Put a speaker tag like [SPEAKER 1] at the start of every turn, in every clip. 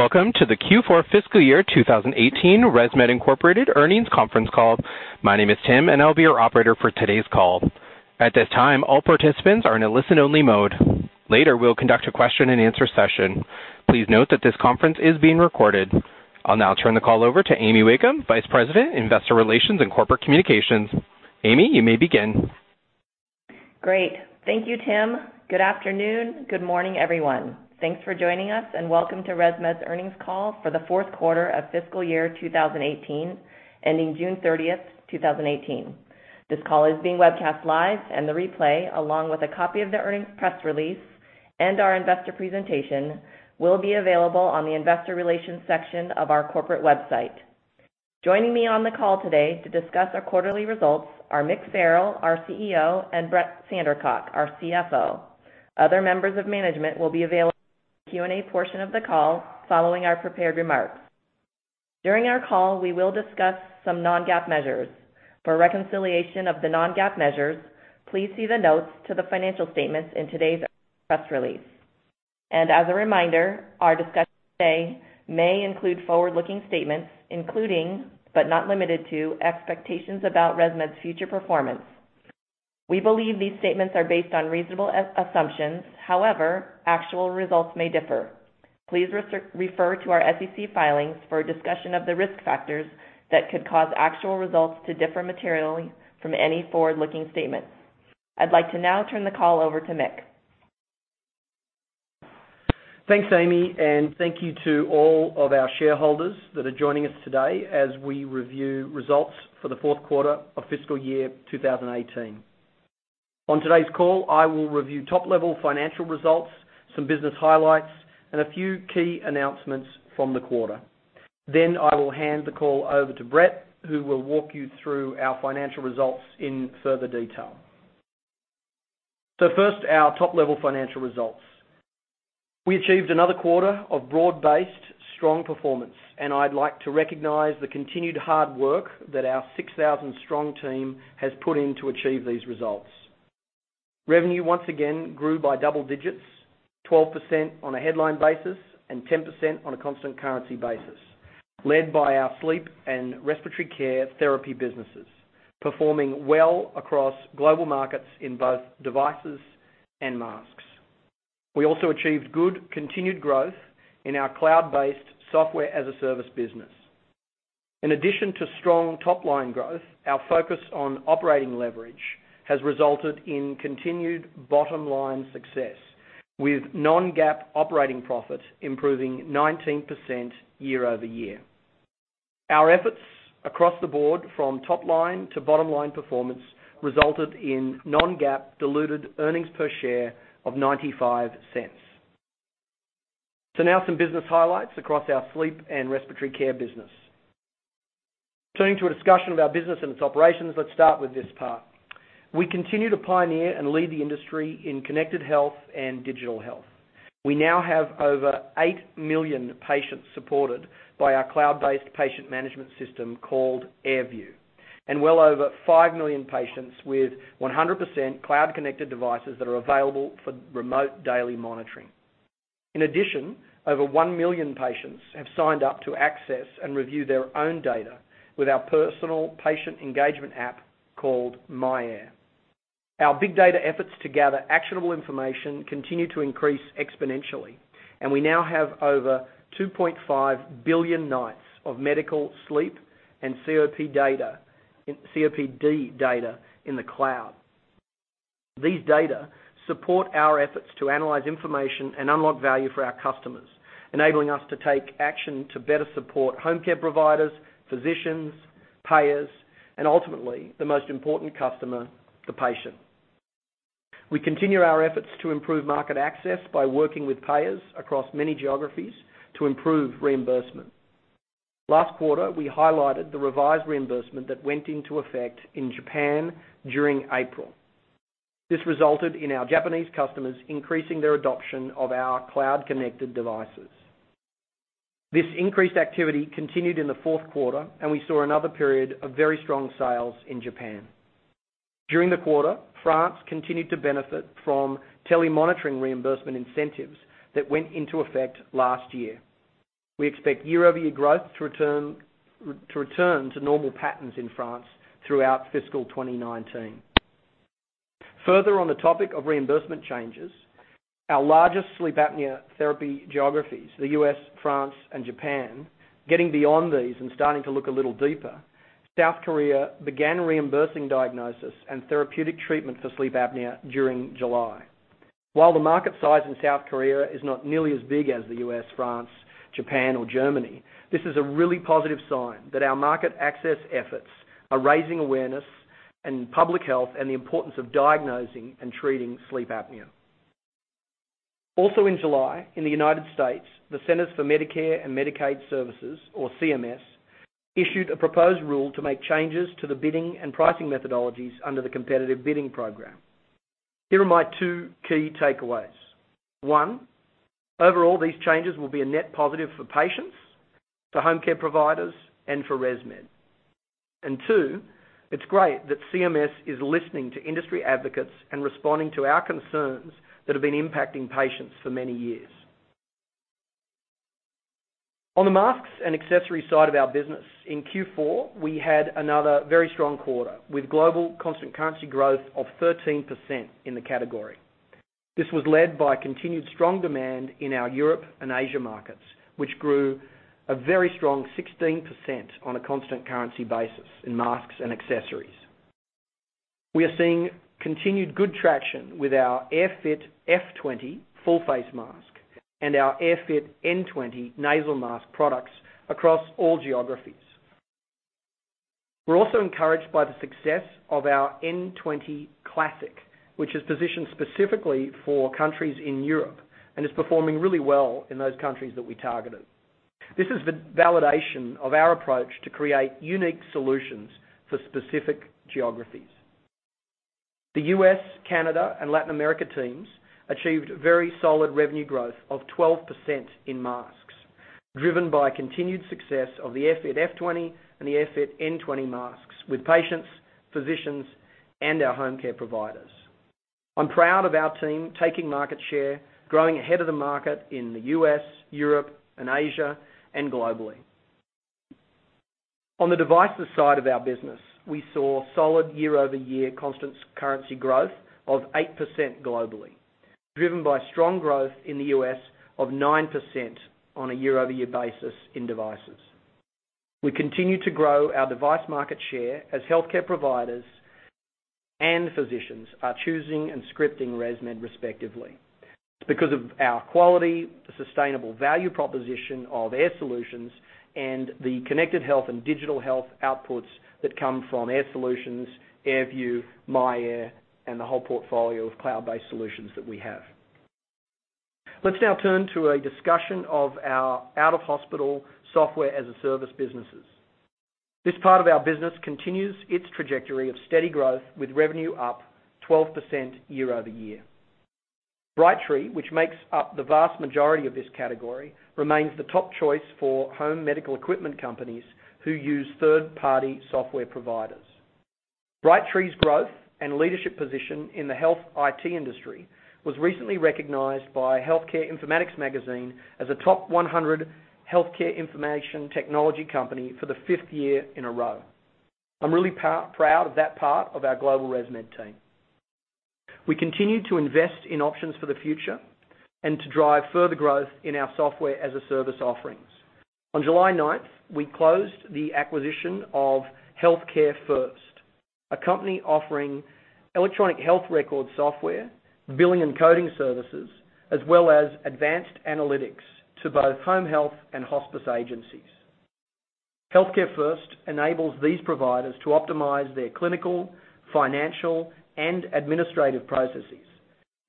[SPEAKER 1] Welcome to the Q4 fiscal year 2018 ResMed Inc. earnings conference call. My name is Tim, and I'll be your operator for today's call. At this time, all participants are in a listen-only mode. Later, we'll conduct a question and answer session. Please note that this conference is being recorded. I'll now turn the call over to Amy Wakeham, Vice President, Investor Relations and Corporate Communications. Amy, you may begin.
[SPEAKER 2] Great. Thank you, Tim. Good afternoon, good morning, everyone. Thanks for joining us, and welcome to ResMed's earnings call for the fourth quarter of fiscal year 2018, ending June 30th, 2018. This call is being webcast live, and the replay, along with a copy of the earnings press release and our investor presentation, will be available on the investor relations section of our corporate website. Joining me on the call today to discuss our quarterly results are Mick Farrell, our CEO, and Brett Sandercock, our CFO. Other members of management will be available in the Q&A portion of the call following our prepared remarks. During our call, we will discuss some non-GAAP measures. For reconciliation of the non-GAAP measures, please see the notes to the financial statements in today's press release. As a reminder, our discussion today may include forward-looking statements, including, but not limited to, expectations about ResMed's future performance. We believe these statements are based on reasonable assumptions. However, actual results may differ. Please refer to our SEC filings for a discussion of the risk factors that could cause actual results to differ materially from any forward-looking statements. I'd like to now turn the call over to Mick.
[SPEAKER 3] Thanks, Amy, and thank you to all of our shareholders that are joining us today as we review results for the fourth quarter of fiscal year 2018. On today's call, I will review top-level financial results, some business highlights, and a few key announcements from the quarter. Then I will hand the call over to Brett, who will walk you through our financial results in further detail. First, our top-level financial results. We achieved another quarter of broad-based strong performance, and I'd like to recognize the continued hard work that our 6,000-strong team has put in to achieve these results. Revenue once again grew by double digits, 12% on a headline basis and 10% on a constant currency basis, led by our sleep and respiratory care therapy businesses, performing well across global markets in both devices and masks. We also achieved good continued growth in our cloud-based software-as-a-service business. In addition to strong top-line growth, our focus on operating leverage has resulted in continued bottom-line success, with non-GAAP operating profit improving 19% year-over-year. Our efforts across the board from top-line to bottom-line performance resulted in non-GAAP diluted earnings per share of $0.95. Now some business highlights across our sleep and respiratory care business. Turning to a discussion of our business and its operations, let's start with this part. We continue to pioneer and lead the industry in connected health and digital health. We now have over 8 million patients supported by our cloud-based patient management system called AirView, and well over 5 million patients with 100% cloud-connected devices that are available for remote daily monitoring. In addition, over 1 million patients have signed up to access and review their own data with our personal patient engagement app called myAir. Our big data efforts to gather actionable information continue to increase exponentially. We now have over 2.5 billion nights of medical sleep and COPD data in the cloud. These data support our efforts to analyze information and unlock value for our customers, enabling us to take action to better support home care providers, physicians, payers, and ultimately, the most important customer, the patient. We continue our efforts to improve market access by working with payers across many geographies to improve reimbursement. Last quarter, we highlighted the revised reimbursement that went into effect in Japan during April. This resulted in our Japanese customers increasing their adoption of our cloud-connected devices. This increased activity continued in the fourth quarter, and we saw another period of very strong sales in Japan. During the quarter, France continued to benefit from telemonitoring reimbursement incentives that went into effect last year. We expect year-over-year growth to return to normal patterns in France throughout fiscal 2019. Further on the topic of reimbursement changes, our largest sleep apnea therapy geographies, the U.S., France, and Japan, getting beyond these and starting to look a little deeper, South Korea began reimbursing diagnosis and therapeutic treatment for sleep apnea during July. While the market size in South Korea is not nearly as big as the U.S., France, Japan, or Germany, this is a really positive sign that our market access efforts are raising awareness in public health and the importance of diagnosing and treating sleep apnea. Also in July, in the United States, the Centers for Medicare & Medicaid Services, or CMS, issued a proposed rule to make changes to the bidding and pricing methodologies under the Competitive Bidding Program. Here are my two key takeaways. One, overall, these changes will be a net positive for home care providers and for ResMed. Two, it's great that CMS is listening to industry advocates and responding to our concerns that have been impacting patients for many years. On the masks and accessories side of our business, in Q4, we had another very strong quarter, with global constant currency growth of 13% in the category. This was led by continued strong demand in our Europe and Asia markets, which grew a very strong 16% on a constant currency basis in masks and accessories. We are seeing continued good traction with our AirFit F20 full face mask and our AirFit N20 nasal mask products across all geographies. We're also encouraged by the success of our N20 Classic, which is positioned specifically for countries in Europe, and is performing really well in those countries that we targeted. This is the validation of our approach to create unique solutions for specific geographies. The U.S., Canada, and Latin America teams achieved very solid revenue growth of 12% in masks, driven by continued success of the AirFit F20 and the AirFit N20 masks with patients, physicians, and our home care providers. I'm proud of our team taking market share, growing ahead of the market in the U.S., Europe, and Asia, and globally. On the devices side of our business, we saw solid year-over-year constant currency growth of 8% globally, driven by strong growth in the U.S. of 9% on a year-over-year basis in devices. We continue to grow our device market share as healthcare providers and physicians are choosing and scripting ResMed respectively. It's because of our quality, the sustainable value proposition of Air Solutions, and the connected health and digital health outputs that come from Air Solutions, AirView, myAir, and the whole portfolio of cloud-based solutions that we have. Let's now turn to a discussion of our out-of-hospital software-as-a-service businesses. This part of our business continues its trajectory of steady growth, with revenue up 12% year-over-year. Brightree, which makes up the vast majority of this category, remains the top choice for home medical equipment companies who use third-party software providers. Brightree's growth and leadership position in the health IT industry was recently recognized by Healthcare Informatics magazine as a top 100 healthcare information technology company for the fifth year in a row. I'm really proud of that part of our global ResMed team. We continue to invest in options for the future and to drive further growth in our software-as-a-service offerings. On July 9th, we closed the acquisition of HEALTHCAREfirst, a company offering electronic health records software, billing and coding services, as well as advanced analytics to both home health and hospice agencies. HEALTHCAREfirst enables these providers to optimize their clinical, financial, and administrative processes,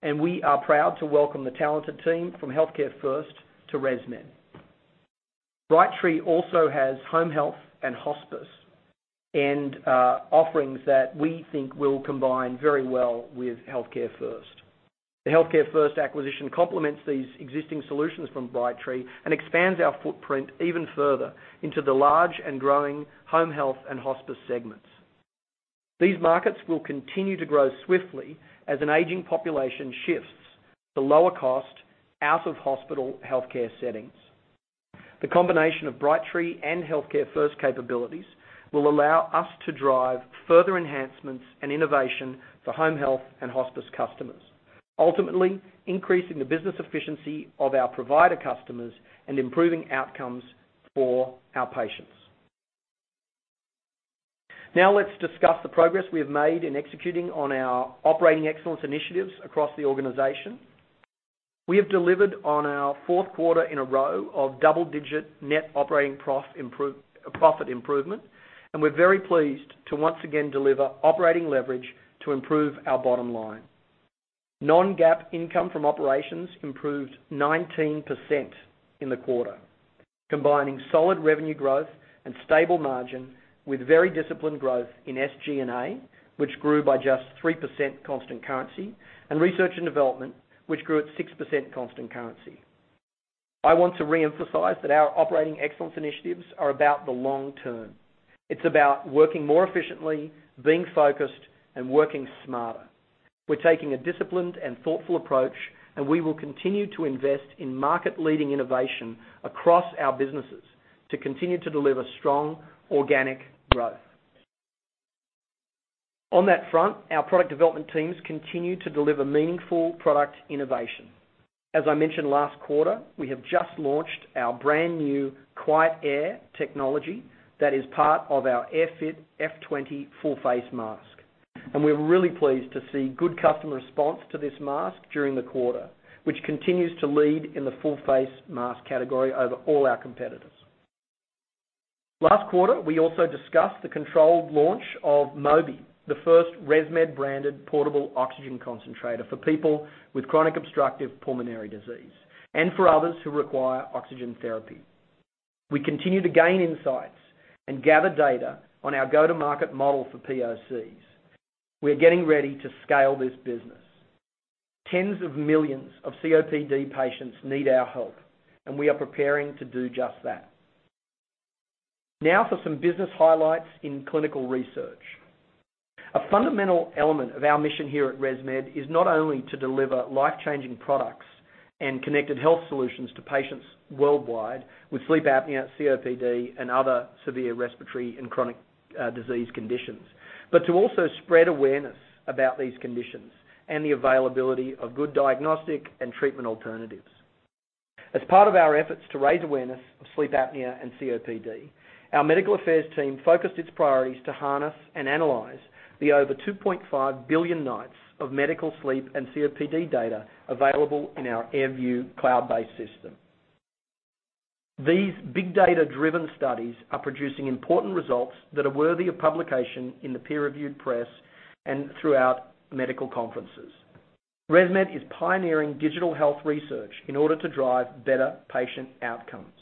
[SPEAKER 3] and we are proud to welcome the talented team from HEALTHCAREfirst to ResMed. Brightree also has home health and hospice, and offerings that we think will combine very well with HEALTHCAREfirst. The HEALTHCAREfirst acquisition complements these existing solutions from Brightree and expands our footprint even further into the large and growing home health and hospice segments. These markets will continue to grow swiftly as an aging population shifts to lower cost out-of-hospital healthcare settings. The combination of Brightree and HEALTHCAREfirst capabilities will allow us to drive further enhancements and innovation for home health and hospice customers, ultimately increasing the business efficiency of our provider customers and improving outcomes for our patients. Now let's discuss the progress we have made in executing on our operating excellence initiatives across the organization. We have delivered on our fourth quarter in a row of double-digit net operating profit improvement, and we're very pleased to once again deliver operating leverage to improve our bottom line. Non-GAAP income from operations improved 19% in the quarter, combining solid revenue growth and stable margin with very disciplined growth in SG&A, which grew by just 3% constant currency, and research and development, which grew at 6% constant currency. I want to reemphasize that our operating excellence initiatives are about the long term. It's about working more efficiently, being focused, and working smarter. We're taking a disciplined and thoughtful approach, we will continue to invest in market-leading innovation across our businesses to continue to deliver strong organic growth. On that front, our product development teams continue to deliver meaningful product innovation. As I mentioned last quarter, we have just launched our brand-new QuietAir technology that is part of our AirFit F20 full face mask, and we're really pleased to see good customer response to this mask during the quarter, which continues to lead in the full face mask category over all our competitors. Last quarter, we also discussed the controlled launch of Mobi, the first ResMed-branded portable oxygen concentrator for people with chronic obstructive pulmonary disease, and for others who require oxygen therapy. We continue to gain insights and gather data on our go-to-market model for POCs. We are getting ready to scale this business. Tens of millions of COPD patients need our help, we are preparing to do just that. Now for some business highlights in clinical research. A fundamental element of our mission here at ResMed is not only to deliver life-changing products and connected health solutions to patients worldwide with sleep apnea, COPD, and other severe respiratory and chronic disease conditions, but to also spread awareness about these conditions and the availability of good diagnostic and treatment alternatives. As part of our efforts to raise awareness of sleep apnea and COPD, our medical affairs team focused its priorities to harness and analyze the over 2.5 billion nights of medical sleep and COPD data available in our AirView cloud-based system. These big data-driven studies are producing important results that are worthy of publication in the peer-reviewed press and throughout medical conferences. ResMed is pioneering digital health research in order to drive better patient outcomes.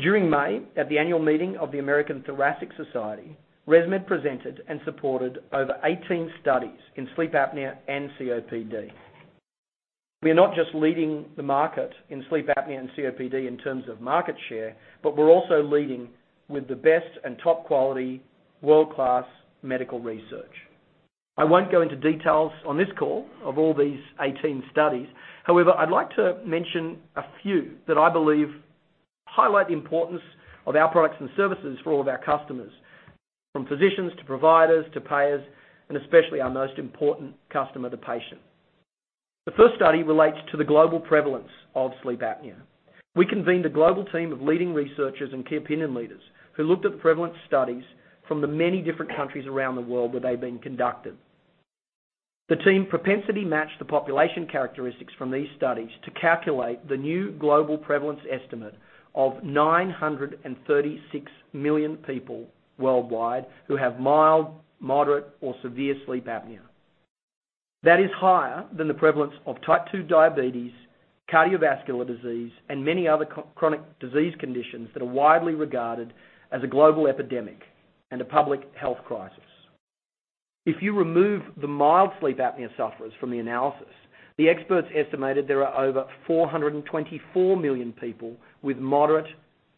[SPEAKER 3] During May, at the annual meeting of the American Thoracic Society, ResMed presented and supported over 18 studies in sleep apnea and COPD. We are not just leading the market in sleep apnea and COPD in terms of market share, but we're also leading with the best and top-quality world-class medical research. I won't go into details on this call of all these 18 studies. However, I'd like to mention a few that I believe highlight the importance of our products and services for all of our customers, from physicians to providers to payers, and especially our most important customer, the patient. The first study relates to the global prevalence of sleep apnea. We convened a global team of leading researchers and key opinion leaders who looked at the prevalence studies from the many different countries around the world where they've been conducted. The team propensity matched the population characteristics from these studies to calculate the new global prevalence estimate of 936 million people worldwide who have mild, moderate, or severe sleep apnea. That is higher than the prevalence of type 2 diabetes, cardiovascular disease, and many other chronic disease conditions that are widely regarded as a global epidemic and a public health crisis. If you remove the mild sleep apnea sufferers from the analysis, the experts estimated there are over 424 million people with moderate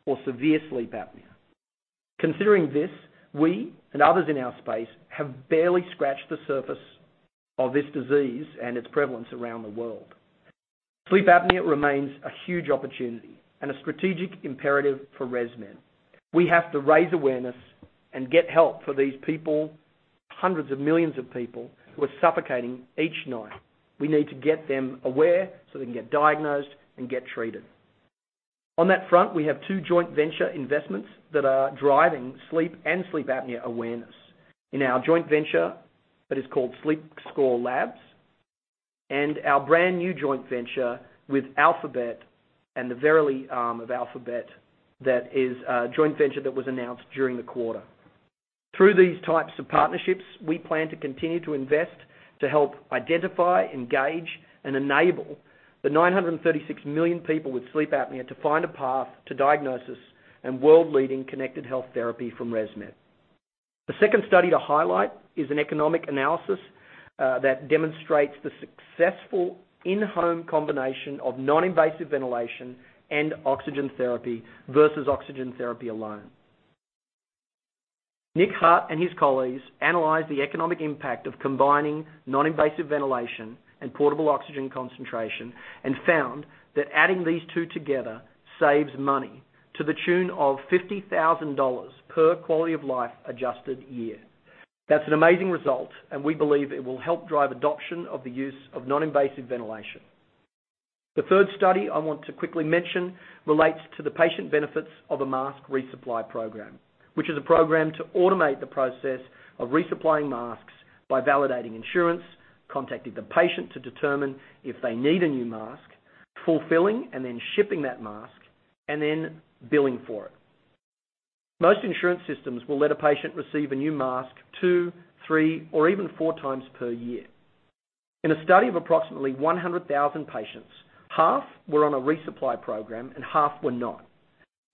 [SPEAKER 3] or severe sleep apnea. Considering this, we and others in our space have barely scratched the surface of this disease and its prevalence around the world. Sleep apnea remains a huge opportunity and a strategic imperative for ResMed. We have to raise awareness and get help for these people, hundreds of millions of people, who are suffocating each night. We need to get them aware so they can get diagnosed and get treated. On that front, we have two joint venture investments that are driving sleep and sleep apnea awareness. In our joint venture that is called SleepScore Labs and our brand-new joint venture with Alphabet and the Verily arm of Alphabet. That is a joint venture that was announced during the quarter. Through these types of partnerships, we plan to continue to invest to help identify, engage, and enable the 936 million people with sleep apnea to find a path to diagnosis and world-leading connected health therapy from ResMed. The second study to highlight is an economic analysis that demonstrates the successful in-home combination of non-invasive ventilation and oxygen therapy versus oxygen therapy alone. Nick Hart and his colleagues analyzed the economic impact of combining non-invasive ventilation and portable oxygen concentrator and found that adding these two together saves money to the tune of $50,000 per quality-of-life-adjusted year. That's an amazing result, and we believe it will help drive adoption of the use of non-invasive ventilation. The third study I want to quickly mention relates to the patient benefits of a mask resupply program, which is a program to automate the process of resupplying masks by validating insurance, contacting the patient to determine if they need a new mask, fulfilling and then shipping that mask, and then billing for it. Most insurance systems will let a patient receive a new mask two, three, or even four times per year. In a study of approximately 100,000 patients, half were on a resupply program and half were not.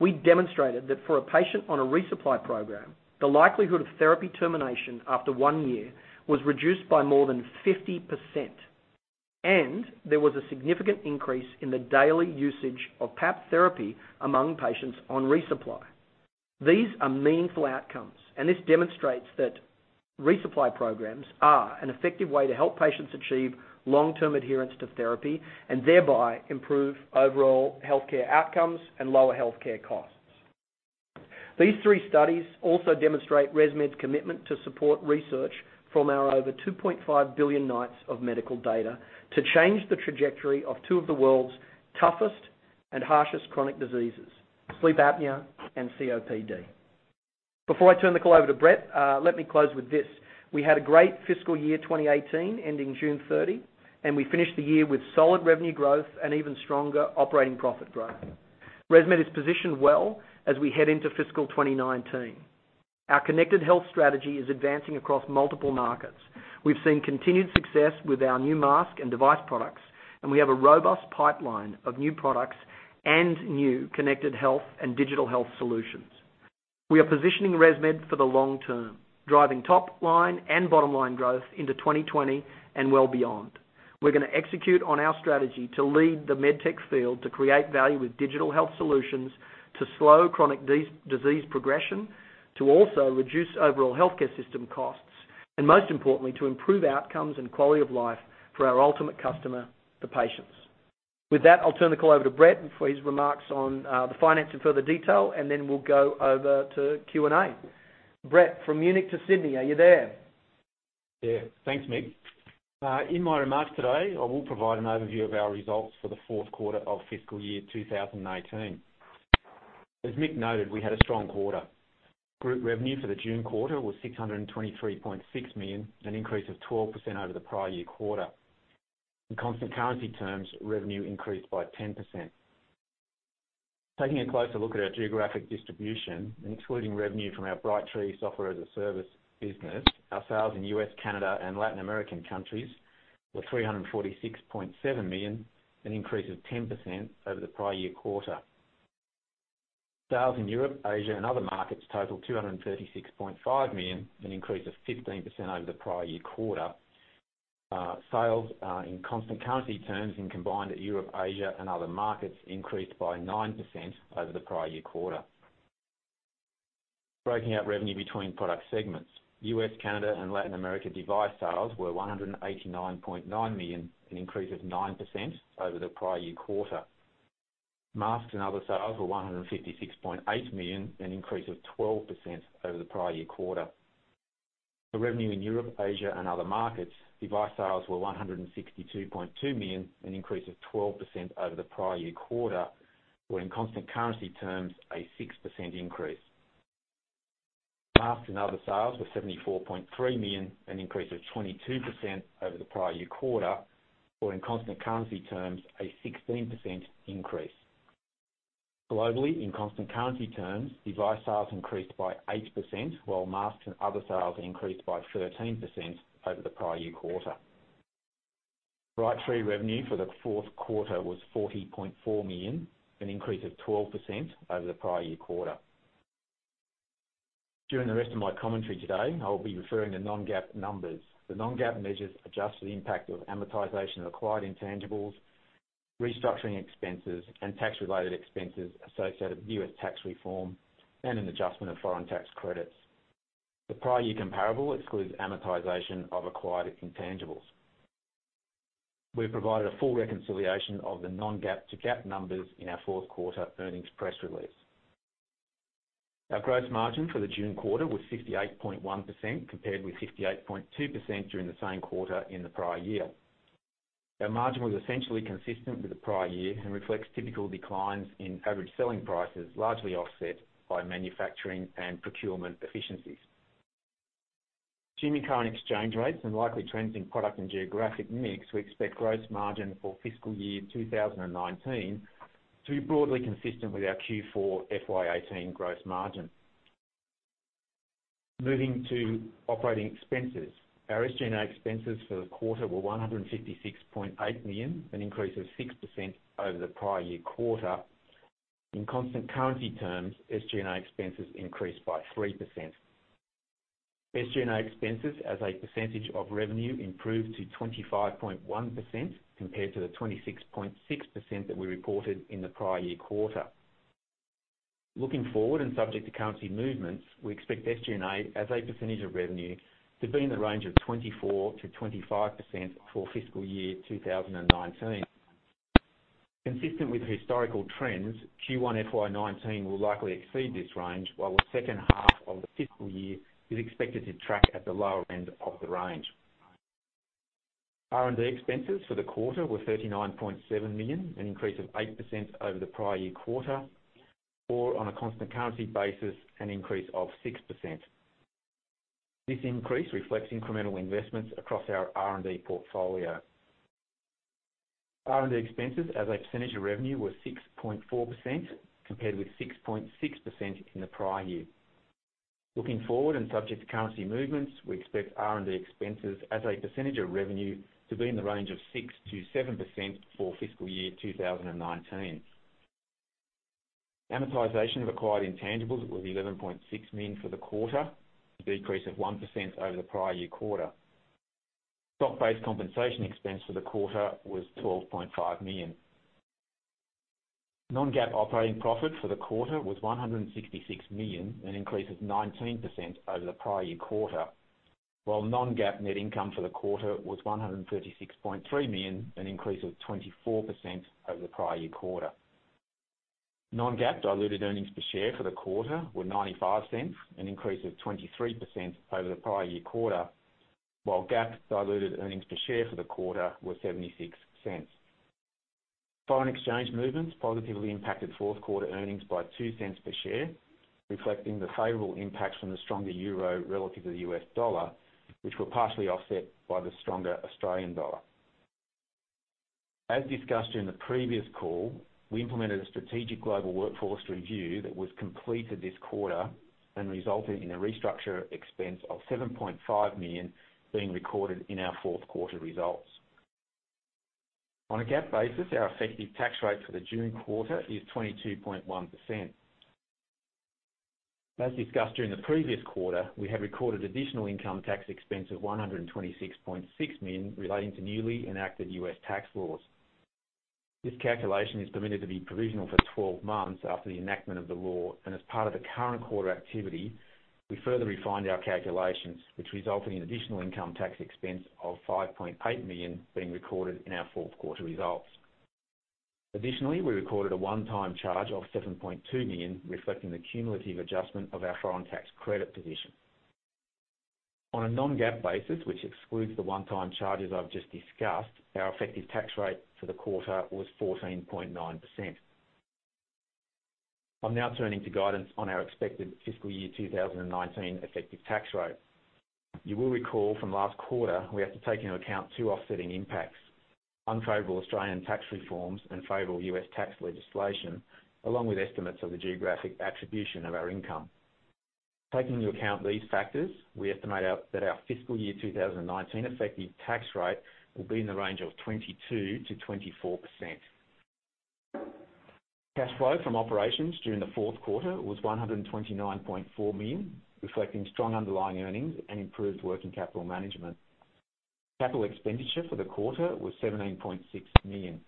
[SPEAKER 3] We demonstrated that for a patient on a resupply program, the likelihood of therapy termination after one year was reduced by more than 50%, and there was a significant increase in the daily usage of PAP therapy among patients on resupply. These are meaningful outcomes, and this demonstrates that resupply programs are an effective way to help patients achieve long-term adherence to therapy and thereby improve overall healthcare outcomes and lower healthcare costs. These three studies also demonstrate ResMed's commitment to support research from our over 2.5 billion nights of medical data to change the trajectory of two of the world's toughest and harshest chronic diseases, sleep apnea and COPD. Before I turn the call over to Brett, let me close with this. We had a great fiscal year 2018, ending June 30, and we finished the year with solid revenue growth and even stronger operating profit growth. ResMed is positioned well as we head into fiscal 2019. Our connected health strategy is advancing across multiple markets. We've seen continued success with our new mask and device products, and we have a robust pipeline of new products and new connected health and digital health solutions. We are positioning ResMed for the long term, driving top-line and bottom-line growth into 2020 and well beyond. We're going to execute on our strategy to lead the med tech field to create value with digital health solutions, to slow chronic disease progression, to also reduce overall healthcare system costs, and most importantly, to improve outcomes and quality of life for our ultimate customer, the patients. With that, I'll turn the call over to Brett for his remarks on the finance in further detail, and then we'll go over to Q&A. Brett, from Munich to Sydney, are you there?
[SPEAKER 4] Yeah. Thanks, Mick. In my remarks today, I will provide an overview of our results for the fourth quarter of fiscal year 2018. As Mick noted, we had a strong quarter. Group revenue for the June quarter was $623.6 million, an increase of 12% over the prior year quarter. In constant currency terms, revenue increased by 10%. Taking a closer look at our geographic distribution, and excluding revenue from our Brightree software-as-a-service business, our sales in U.S., Canada, and Latin American countries were $346.7 million, an increase of 10% over the prior year quarter. Sales in Europe, Asia, and other markets totaled $236.5 million, an increase of 15% over the prior year quarter. Sales in constant currency terms in combined Europe, Asia, and other markets increased by 9% over the prior year quarter. Breaking out revenue between product segments, U.S., Canada, and Latin America device sales were $189.9 million, an increase of 9% over the prior year quarter. Masks and other sales were $156.8 million, an increase of 12% over the prior year quarter. The revenue in Europe, Asia, and other markets, device sales were $162.2 million, an increase of 12% over the prior year quarter, or in constant currency terms, a 6% increase. Masks and other sales were $74.3 million, an increase of 22% over the prior year quarter, or in constant currency terms, a 16% increase. Globally, in constant currency terms, device sales increased by 8%, while masks and other sales increased by 13% over the prior year quarter. Brightree revenue for the fourth quarter was $40.4 million, an increase of 12% over the prior year quarter. During the rest of my commentary today, I will be referring to non-GAAP numbers. The non-GAAP measures adjust for the impact of amortization of acquired intangibles, restructuring expenses, and tax-related expenses associated with U.S. tax reform and an adjustment of foreign tax credits. The prior year comparable excludes amortization of acquired intangibles. We've provided a full reconciliation of the non-GAAP to GAAP numbers in our fourth quarter earnings press release. Our gross margin for the June quarter was 68.1%, compared with 68.2% during the same quarter in the prior year. Our margin was essentially consistent with the prior year and reflects typical declines in average selling prices, largely offset by manufacturing and procurement efficiencies. Assuming current exchange rates and likely trends in product and geographic mix, we expect gross margin for fiscal year 2019 to be broadly consistent with our Q4 FY 2018 gross margin. Moving to operating expenses. Our SG&A expenses for the quarter were $156.8 million, an increase of 6% over the prior year quarter. In constant currency terms, SG&A expenses increased by 3%. SG&A expenses as a percentage of revenue improved to 25.1%, compared to the 26.6% that we reported in the prior year quarter. Looking forward, and subject to currency movements, we expect SG&A as a percentage of revenue to be in the range of 24%-25% for fiscal year 2018. Consistent with historical trends, Q1 FY 2019 will likely exceed this range, while the second half of the fiscal year is expected to track at the lower end of the range. R&D expenses for the quarter were $39.7 million, an increase of 8% over the prior year quarter, or on a constant currency basis, an increase of 6%. This increase reflects incremental investments across our R&D portfolio. R&D expenses as a percentage of revenue were 6.4%, compared with 6.6% in the prior year. Looking forward, and subject to currency movements, we expect R&D expenses as a percentage of revenue to be in the range of 6%-7% for fiscal year 2018. Amortization of acquired intangibles was $11.6 million for the quarter, a decrease of 1% over the prior year quarter. Stock-based compensation expense for the quarter was $12.5 million. Non-GAAP operating profit for the quarter was $166 million, an increase of 19% over the prior year quarter. While non-GAAP net income for the quarter was $136.3 million, an increase of 24% over the prior year quarter. Non-GAAP diluted earnings per share for the quarter were $0.95, an increase of 23% over the prior year quarter, while GAAP diluted earnings per share for the quarter were $0.76. Foreign exchange movements positively impacted fourth quarter earnings by $0.02 per share, reflecting the favorable impacts from the stronger euro relative to the US dollar, which were partially offset by the stronger Australian dollar. As discussed in the previous call, we implemented a strategic global workforce review that was completed this quarter and resulted in a restructure expense of $7.5 million being recorded in our fourth quarter results. On a GAAP basis, our effective tax rate for the June quarter is 22.1%. As discussed during the previous quarter, we have recorded additional income tax expense of $126.6 million relating to newly enacted U.S. tax laws. This calculation is permitted to be provisional for 12 months after the enactment of the law. As part of the current quarter activity, we further refined our calculations, which resulted in additional income tax expense of $5.8 million being recorded in our fourth quarter results. Additionally, we recorded a one-time charge of $7.2 million, reflecting the cumulative adjustment of our foreign tax credit position. On a non-GAAP basis, which excludes the one-time charges I've just discussed, our effective tax rate for the quarter was 14.9%. I'm now turning to guidance on our expected fiscal year 2018 effective tax rate. You will recall from last quarter, we have to take into account two offsetting impacts, unfavorable Australian tax reforms and favorable U.S. tax legislation, along with estimates of the geographic attribution of our income. Taking into account these factors, we estimate that our fiscal year 2018 effective tax rate will be in the range of 22%-24%. Cash flow from operations during the fourth quarter was $129.4 million, reflecting strong underlying earnings and improved working capital management. Capital expenditure for the quarter was $17.6 million.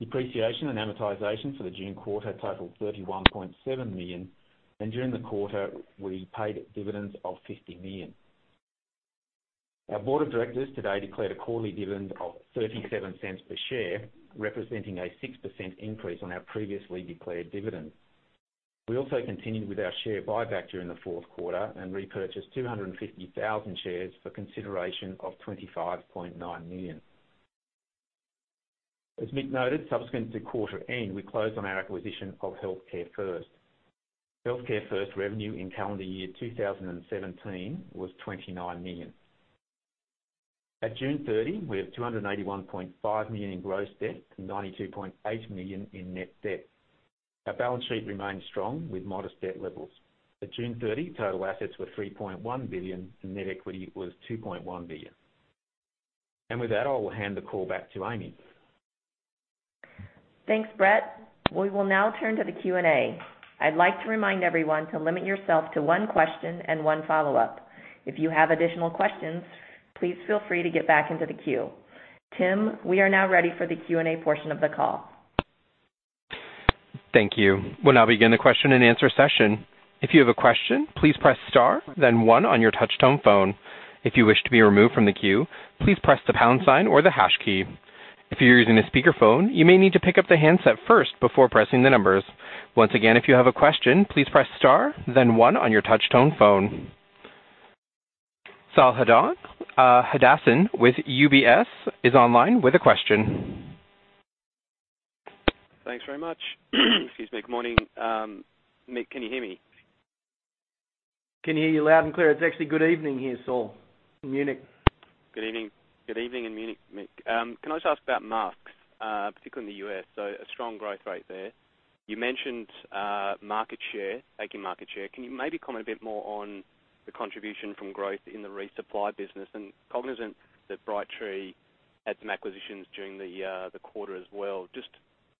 [SPEAKER 4] Depreciation and amortization for the June quarter totaled $31.7 million. During the quarter, we paid dividends of $50 million. Our board of directors today declared a quarterly dividend of $0.37 per share, representing a 6% increase on our previously declared dividend. We also continued with our share buyback during the fourth quarter and repurchased 250,000 shares for consideration of $25.9 million. As Mick noted, subsequent to quarter end, we closed on our acquisition of HEALTHCAREfirst. HEALTHCAREfirst revenue in calendar year 2017 was $29 million. At June 30, we have $281.5 million in gross debt and $92.8 million in net debt. Our balance sheet remains strong with modest debt levels. At June 30, total assets were $3.1 billion and net equity was $2.1 billion. With that, I will hand the call back to Amy.
[SPEAKER 2] Thanks, Brett. We will now turn to the Q&A. I'd like to remind everyone to limit yourself to one question and one follow-up. If you have additional questions, please feel free to get back into the queue. Tim, we are now ready for the Q&A portion of the call.
[SPEAKER 1] Thank you. We'll now begin the question and answer session. If you have a question, please press star then one on your touch tone phone. If you wish to be removed from the queue, please press the pound sign or the hash key. If you're using a speakerphone, you may need to pick up the handset first before pressing the numbers. Once again, if you have a question, please press star then one on your touch tone phone. Saul Hadassin with UBS is online with a question.
[SPEAKER 5] Thanks very much. Excuse me. Good morning. Mick, can you hear me?
[SPEAKER 3] Can hear you loud and clear. It's actually good evening here, Saul, in Munich.
[SPEAKER 5] Good evening. Good evening in Munich, Mick. Can I just ask about masks, particularly in the U.S., so a strong growth rate there. You mentioned taking market share. Can you maybe comment a bit more on the contribution from growth in the resupply business? Cognizant that Brightree had some acquisitions during the quarter as well. Just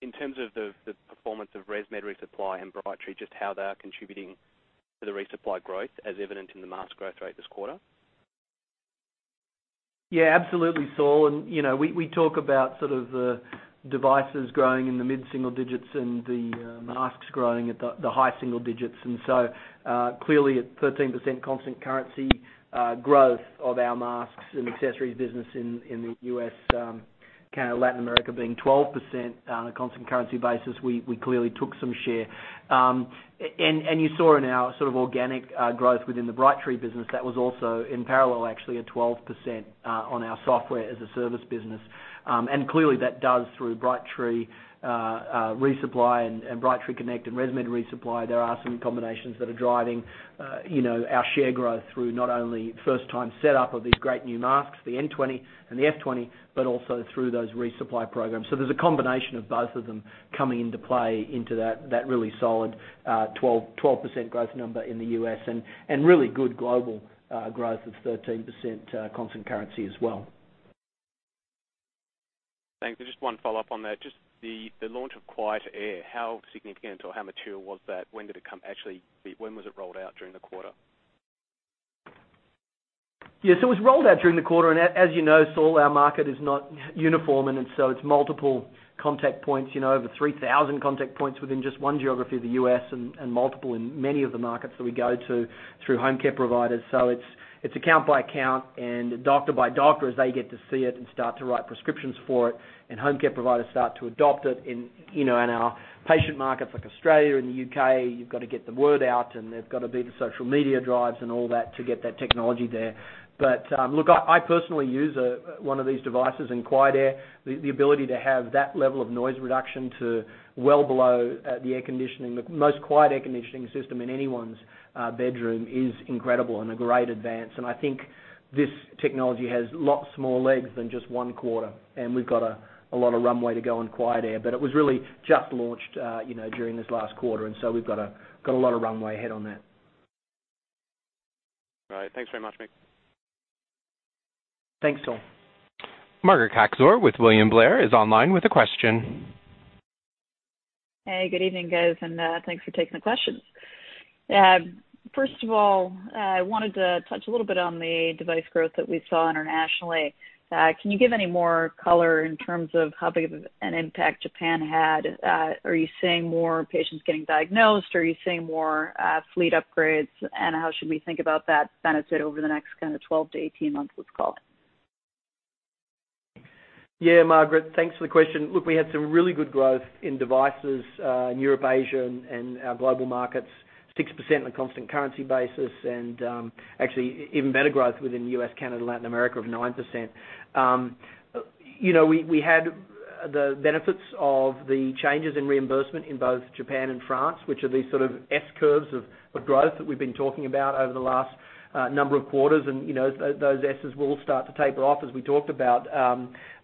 [SPEAKER 5] in terms of the performance of ResMed ReSupply and Brightree, just how they are contributing to the resupply growth as evident in the mask growth rate this quarter.
[SPEAKER 3] Yeah, absolutely, Saul. We talk about sort of the devices growing in the mid-single digits and the masks growing at the high single digits. So, clearly at 13% constant currency, growth of our masks and accessories business in the U.S., kind of Latin America being 12% on a constant currency basis. We clearly took some share. You saw in our sort of organic growth within the Brightree business that was also in parallel actually at 12% on our software as a service business. Clearly that does through Brightree resupply and Brightree Connect and ResMed ReSupply, there are some combinations that are driving our share growth through not only first time set up of these great new masks, the N20 and the F20, but also through those resupply programs. There's a combination of both of them coming into play into that really solid, 12% growth number in the U.S. and really good global growth of 13% constant currency as well.
[SPEAKER 5] Thanks. Just one follow-up on that. Just the launch of QuietAir, how significant or how material was that? When was it rolled out during the quarter?
[SPEAKER 3] Yeah. It was rolled out during the quarter, as you know, Saul, our market is not uniform. It's multiple contact points. Over 3,000 contact points within just one geography of the U.S. and multiple in many of the markets that we go to through home care providers. It's account by account and doctor by doctor as they get to see it and start to write prescriptions for it and home care providers start to adopt it. In our patient markets like Australia and the U.K., you've got to get the word out. There's got to be the social media drives and all that to get that technology there. Look, I personally use one of these devices and QuietAir, the ability to have that level of noise reduction to well below the air conditioning, the most quiet air conditioning system in anyone's bedroom is incredible and a great advance. I think this technology has lots more legs than just one quarter. We've got a lot of runway to go on QuietAir. It was really just launched during this last quarter. We've got a lot of runway ahead on that.
[SPEAKER 5] Thanks very much, Mick.
[SPEAKER 3] Thanks, Saul.
[SPEAKER 1] Margaret Kaczor with William Blair is online with a question.
[SPEAKER 6] Hey, good evening, guys, thanks for taking the questions. First of all, I wanted to touch a little bit on the device growth that we saw internationally. Can you give any more color in terms of how big of an impact Japan had? Are you seeing more patients getting diagnosed? Are you seeing more fleet upgrades? How should we think about that benefit over the next kind of 12 to 18 months, let's call it?
[SPEAKER 3] Yeah, Margaret, thanks for the question. Look, we had some really good growth in devices, in Europe, Asia, and our global markets, 6% on a constant currency basis. Actually, even better growth within the U.S., Canada, Latin America of 9%. We had the benefits of the changes in reimbursement in both Japan and France, which are these sort of S-curves of growth that we've been talking about over the last number of quarters. Those S's will start to taper off as we talked about.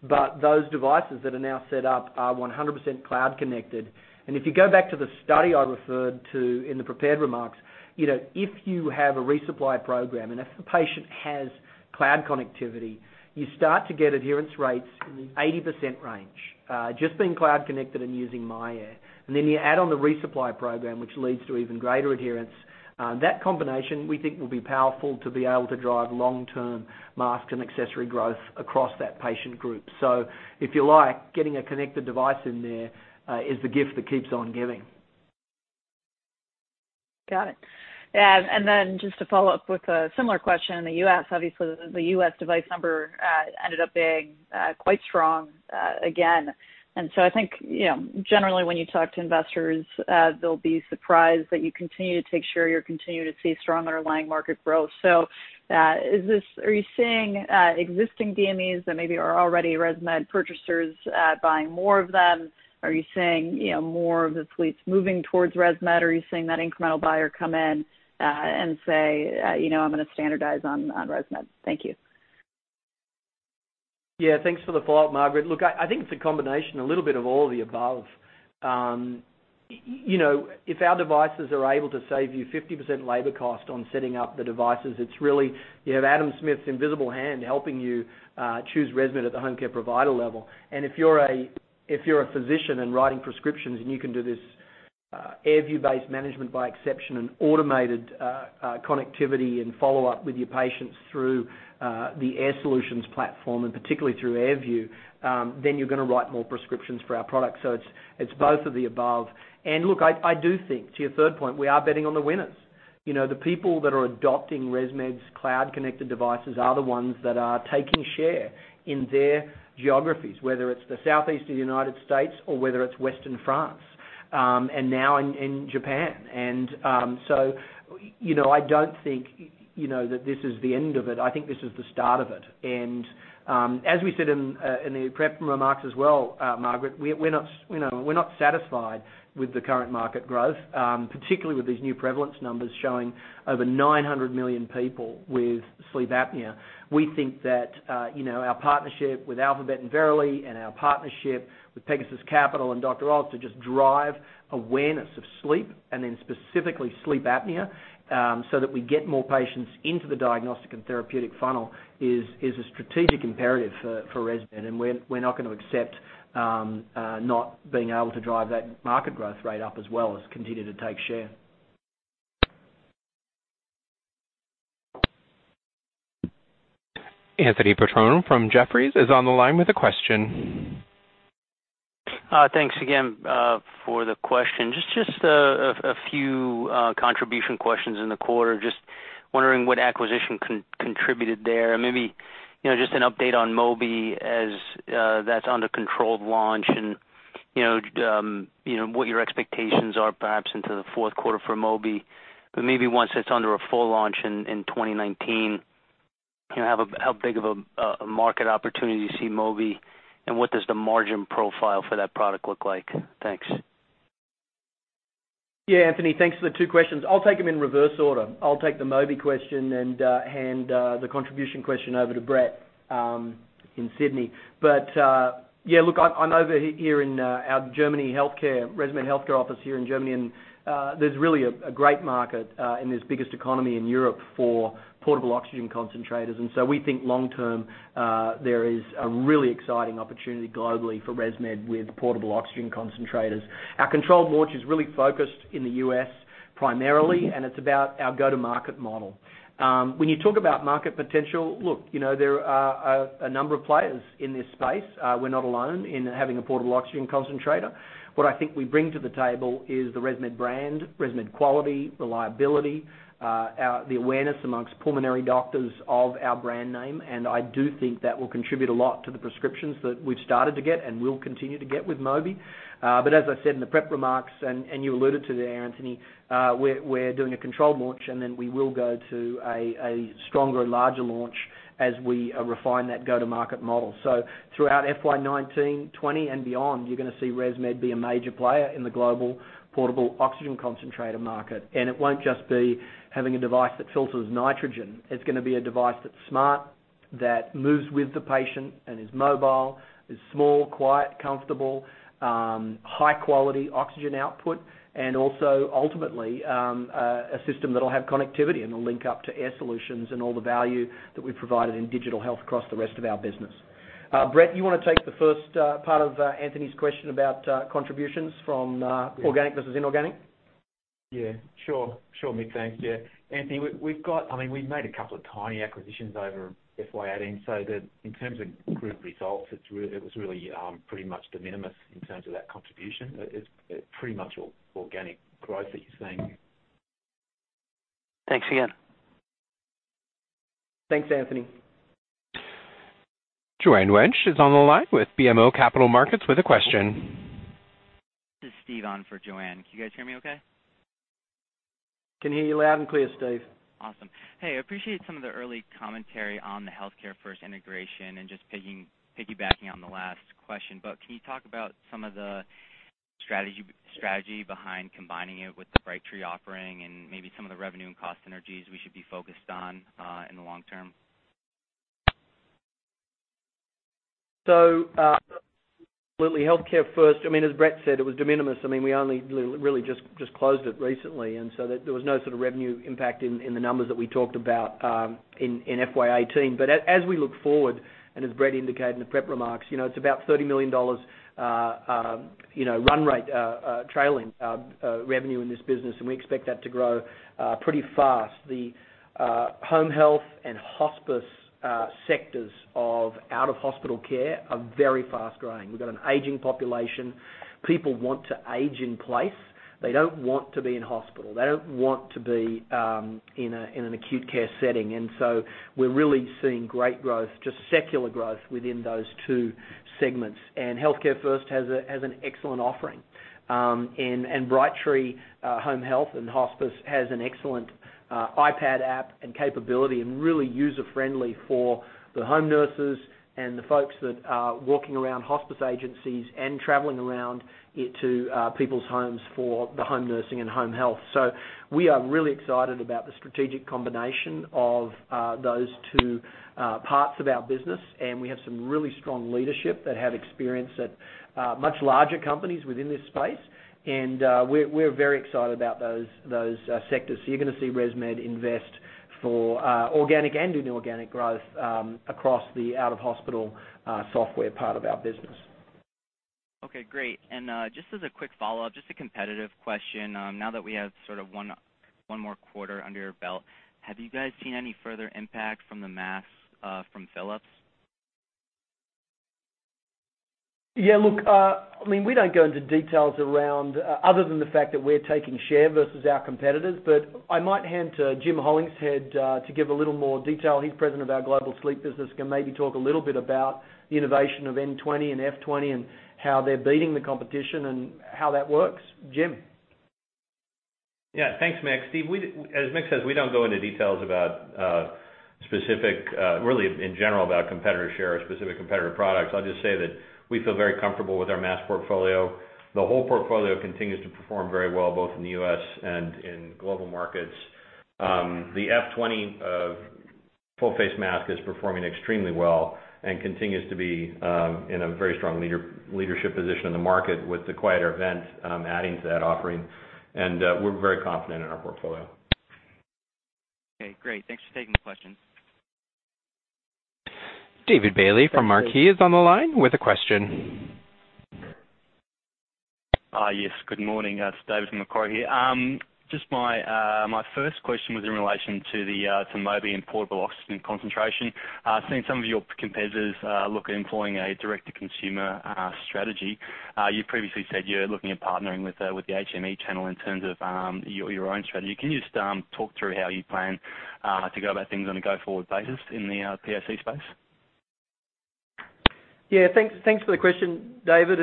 [SPEAKER 3] Those devices that are now set up are 100% cloud connected. If you go back to the study I referred to in the prepared remarks, if you have a resupply program and if the patient has cloud connectivity, you start to get adherence rates in the 80% range, just being cloud connected and using myAir. You add on the resupply program, which leads to even greater adherence. That combination, we think, will be powerful to be able to drive long-term mask and accessory growth across that patient group. If you like, getting a connected device in there is the gift that keeps on giving.
[SPEAKER 6] Got it. Just to follow up with a similar question. In the U.S., obviously, the U.S. device number ended up being quite strong again. I think, generally when you talk to investors, they'll be surprised that you continue to take share, you continue to see strong underlying market growth. Are you seeing existing DMEs that maybe are already ResMed purchasers buying more of them? Are you seeing more of the fleets moving towards ResMed, or are you seeing that incremental buyer come in and say, "I'm going to standardize on ResMed." Thank you.
[SPEAKER 3] Yeah, thanks for the follow-up, Margaret. Look, I think it's a combination, a little bit of all of the above. If our devices are able to save you 50% labor cost on setting up the devices, it's really, you have Adam Smith's invisible hand helping you choose ResMed at the home care provider level. If you're a physician and writing prescriptions, and you can do this AirView-based management by exception and automated connectivity and follow-up with your patients through the Air Solutions platform, and particularly through AirView, then you're going to write more prescriptions for our products. It's both of the above. Look, I do think, to your third point, we are betting on the winners. The people that are adopting ResMed's cloud-connected devices are the ones that are taking share in their geographies. Whether it's the Southeast of the U.S. or whether it's Western France. Now in Japan. I don't think that this is the end of it. I think this is the start of it. As we said in the prep remarks as well, Margaret, we're not satisfied with the current market growth, particularly with these new prevalence numbers showing over 900 million people with sleep apnea. We think that our partnership with Alphabet and Verily and our partnership with Pegasus Capital and Dr. Oz to just drive awareness of sleep, and then specifically sleep apnea, so that we get more patients into the diagnostic and therapeutic funnel is a strategic imperative for ResMed. We're not going to accept not being able to drive that market growth rate up as well as continue to take share.
[SPEAKER 1] Anthony Petrone from Jefferies is on the line with a question.
[SPEAKER 7] Thanks again for the question. Just a few contribution questions in the quarter. Just wondering what acquisition contributed there, and maybe just an update on Mobi as that's under controlled launch and what your expectations are perhaps into the fourth quarter for Mobi. Maybe once it's under a full launch in 2019, how big of a market opportunity you see Mobi, and what does the margin profile for that product look like? Thanks.
[SPEAKER 3] Anthony, thanks for the two questions. I'll take them in reverse order. I'll take the Mobi question and hand the contribution question over to Brett in Sydney. I'm over here in our Germany ResMed healthcare office here in Germany, and there's really a great market in this biggest economy in Europe for portable oxygen concentrators. We think long term, there is a really exciting opportunity globally for ResMed with portable oxygen concentrators. Our controlled launch is really focused in the U.S. primarily, and it's about our go-to-market model. When you talk about market potential, there are a number of players in this space. We're not alone in having a portable oxygen concentrator. What I think we bring to the table is the ResMed brand, ResMed quality, reliability, the awareness amongst pulmonary doctors of our brand name, I do think that will contribute a lot to the prescriptions that we've started to get and will continue to get with Mobi. As I said in the prep remarks, and you alluded to there, Anthony, we're doing a controlled launch, then we will go to a stronger and larger launch as we refine that go-to-market model. Throughout FY 2019 and beyond, you're going to see ResMed be a major player in the global portable oxygen concentrator market. It won't just be having a device that filters nitrogen. It's going to be a device that's smart that moves with the patient and is mobile, is small, quiet, comfortable, high-quality oxygen output, and also, ultimately, a system that'll have connectivity and will link up to Air Solutions and all the value that we've provided in digital health across the rest of our business. Brett, you want to take the first part of Anthony's question about contributions from organic versus inorganic?
[SPEAKER 4] Yeah. Sure, Mick. Thanks. Yeah. Anthony, we've made a couple of tiny acquisitions over FY 2018, in terms of group results, it was really pretty much de minimis in terms of that contribution. It's pretty much all organic growth that you're seeing.
[SPEAKER 7] Thanks again.
[SPEAKER 3] Thanks, Anthony.
[SPEAKER 1] Joanne Wuensch is on the line with BMO Capital Markets with a question.
[SPEAKER 8] This is Steve on for Joanne. Can you guys hear me okay?
[SPEAKER 3] Can hear you loud and clear, Steve.
[SPEAKER 8] Awesome. Hey, I appreciate some of the early commentary on the HEALTHCAREfirst integration and just piggybacking on the last question, can you talk about some of the strategy behind combining it with the Brightree offering and maybe some of the revenue and cost synergies we should be focused on in the long term?
[SPEAKER 3] Absolutely. HEALTHCAREfirst, as Brett said, it was de minimis. We only really just closed it recently, there was no sort of revenue impact in the numbers that we talked about in FY 2018. As we look forward, and as Brett indicated in the prep remarks, it's about $30 million run rate trailing revenue in this business, and we expect that to grow pretty fast. The home health and hospice sectors of out-of-hospital care are very fast-growing. We've got an aging population. People want to age in place. They don't want to be in hospital. They don't want to be in an acute care setting. We're really seeing great growth, just secular growth within those two segments. HEALTHCAREfirst has an excellent offering. Brightree Home Health and Hospice has an excellent iPad app and capability, and really user-friendly for the home nurses and the folks that are walking around hospice agencies and traveling around to people's homes for the home nursing and home health. We are really excited about the strategic combination of those two parts of our business, and we have some really strong leadership that have experience at much larger companies within this space. We're very excited about those sectors. You're going to see ResMed invest for organic and inorganic growth across the out-of-hospital software part of our business.
[SPEAKER 8] Okay, great. Just as a quick follow-up, just a competitive question. Now that we have sort of one more quarter under your belt, have you guys seen any further impact from the masks from Philips?
[SPEAKER 3] Yeah, look, we don't go into details around other than the fact that we're taking share versus our competitors. I might hand to Jim Hollingshead to give a little more detail. He's President of our global sleep business. He can maybe talk a little bit about the innovation of N20 and F20 and how they're beating the competition and how that works. Jim?
[SPEAKER 9] Yeah. Thanks, Mick. Steve, as Mick says, we don't go into details about specific, really in general about competitor share or specific competitor products. I'll just say that we feel very comfortable with our mask portfolio. The whole portfolio continues to perform very well, both in the U.S. and in global markets. The F20 full face mask is performing extremely well and continues to be in a very strong leadership position in the market with the quieter vent adding to that offering, and we're very confident in our portfolio.
[SPEAKER 8] Okay, great. Thanks for taking the question.
[SPEAKER 1] David Bailey from Macquarie is on the line with a question.
[SPEAKER 10] Yes, good morning. It's David from Macquarie. Just my first question was in relation to the Mobi and portable oxygen concentrator. Seeing some of your competitors look at employing a direct-to-consumer strategy. You previously said you're looking at partnering with the HME channel in terms of your own strategy. Can you just talk through how you plan to go about things on a go-forward basis in the POC space?
[SPEAKER 3] Yeah. Thanks for the question, David.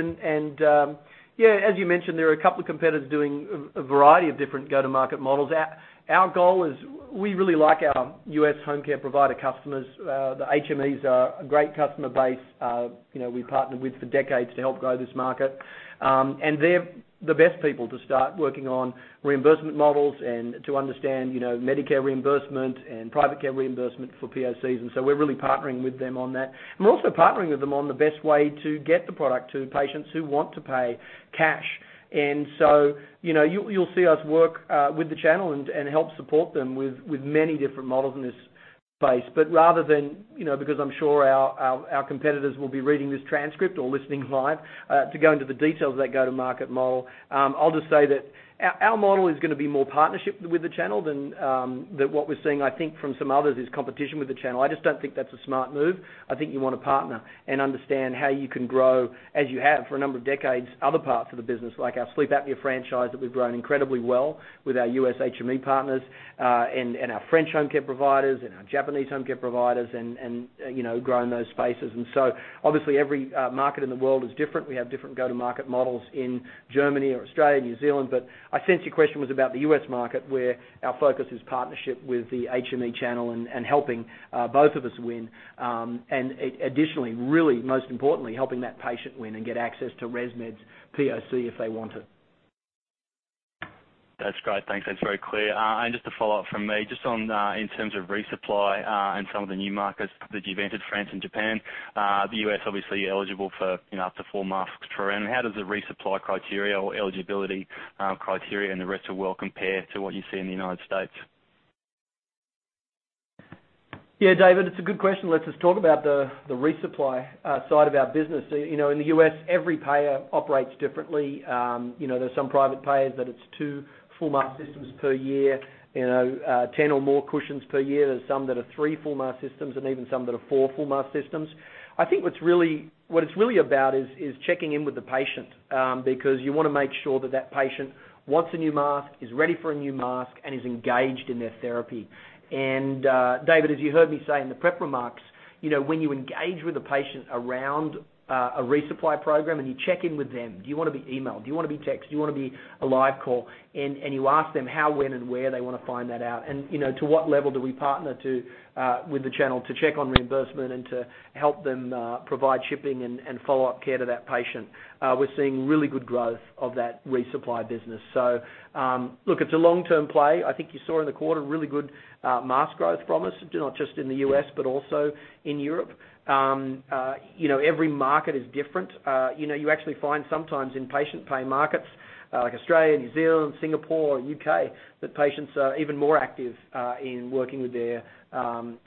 [SPEAKER 3] Yeah, as you mentioned, there are a couple of competitors doing a variety of different go-to-market models. Our goal is we really like our U.S. home care provider customers. The HMEs are a great customer base we've partnered with for decades to help grow this market. They're the best people to start working on reimbursement models and to understand Medicare reimbursement and private care reimbursement for POCs, we're really partnering with them on that. We're also partnering with them on the best way to get the product to patients who want to pay cash. You'll see us work with the channel and help support them with many different models in this space. Rather than, because I'm sure our competitors will be reading this transcript or listening live, to go into the details of that go-to-market model, I'll just say that our model is going to be more partnership with the channel than what we're seeing, I think, from some others is competition with the channel. I just don't think that's a smart move. I think you want to partner and understand how you can grow, as you have for a number of decades, other parts of the business, like our sleep apnea franchise that we've grown incredibly well with our U.S. HME partners, and our French home care providers and our Japanese home care providers and growing those spaces. Obviously, every market in the world is different. We have different go-to-market models in Germany or Australia, New Zealand, but I sense your question was about the U.S. market, where our focus is partnership with the HME channel and helping both of us win. Additionally, really, most importantly, helping that patient win and get access to ResMed's POC if they want it.
[SPEAKER 10] That's great. Thanks. That's very clear. Just a follow-up from me, just in terms of resupply, and some of the new markets that you've entered, France and Japan. The U.S. obviously eligible up to four masks per year. How does the resupply criteria or eligibility criteria in the rest of world compare to what you see in the United States?
[SPEAKER 3] Yeah, David, it's a good question. Let us talk about the resupply side of our business. In the U.S., every payer operates differently. There's some private payers that it's two full mask systems per year, 10 or more cushions per year. There's some that are three full mask systems, and even some that are four full mask systems. I think what it's really about is checking in with the patient, because you want to make sure that that patient wants a new mask, is ready for a new mask, and is engaged in their therapy. David, as you heard me say in the prep remarks, when you engage with a patient around a resupply program and you check in with them, do you want to be emailed? Do you want to be texted? Do you want to be a live call? You ask them how, when, and where they want to find that out, and to what level do we partner with the channel to check on reimbursement and to help them provide shipping and follow-up care to that patient. We're seeing really good growth of that resupply business. Look, it's a long-term play. I think you saw in the quarter really good mask growth from us, not just in the U.S. but also in Europe. Every market is different. You actually find sometimes in patient pay markets, like Australia, New Zealand, Singapore, U.K., that patients are even more active in working with their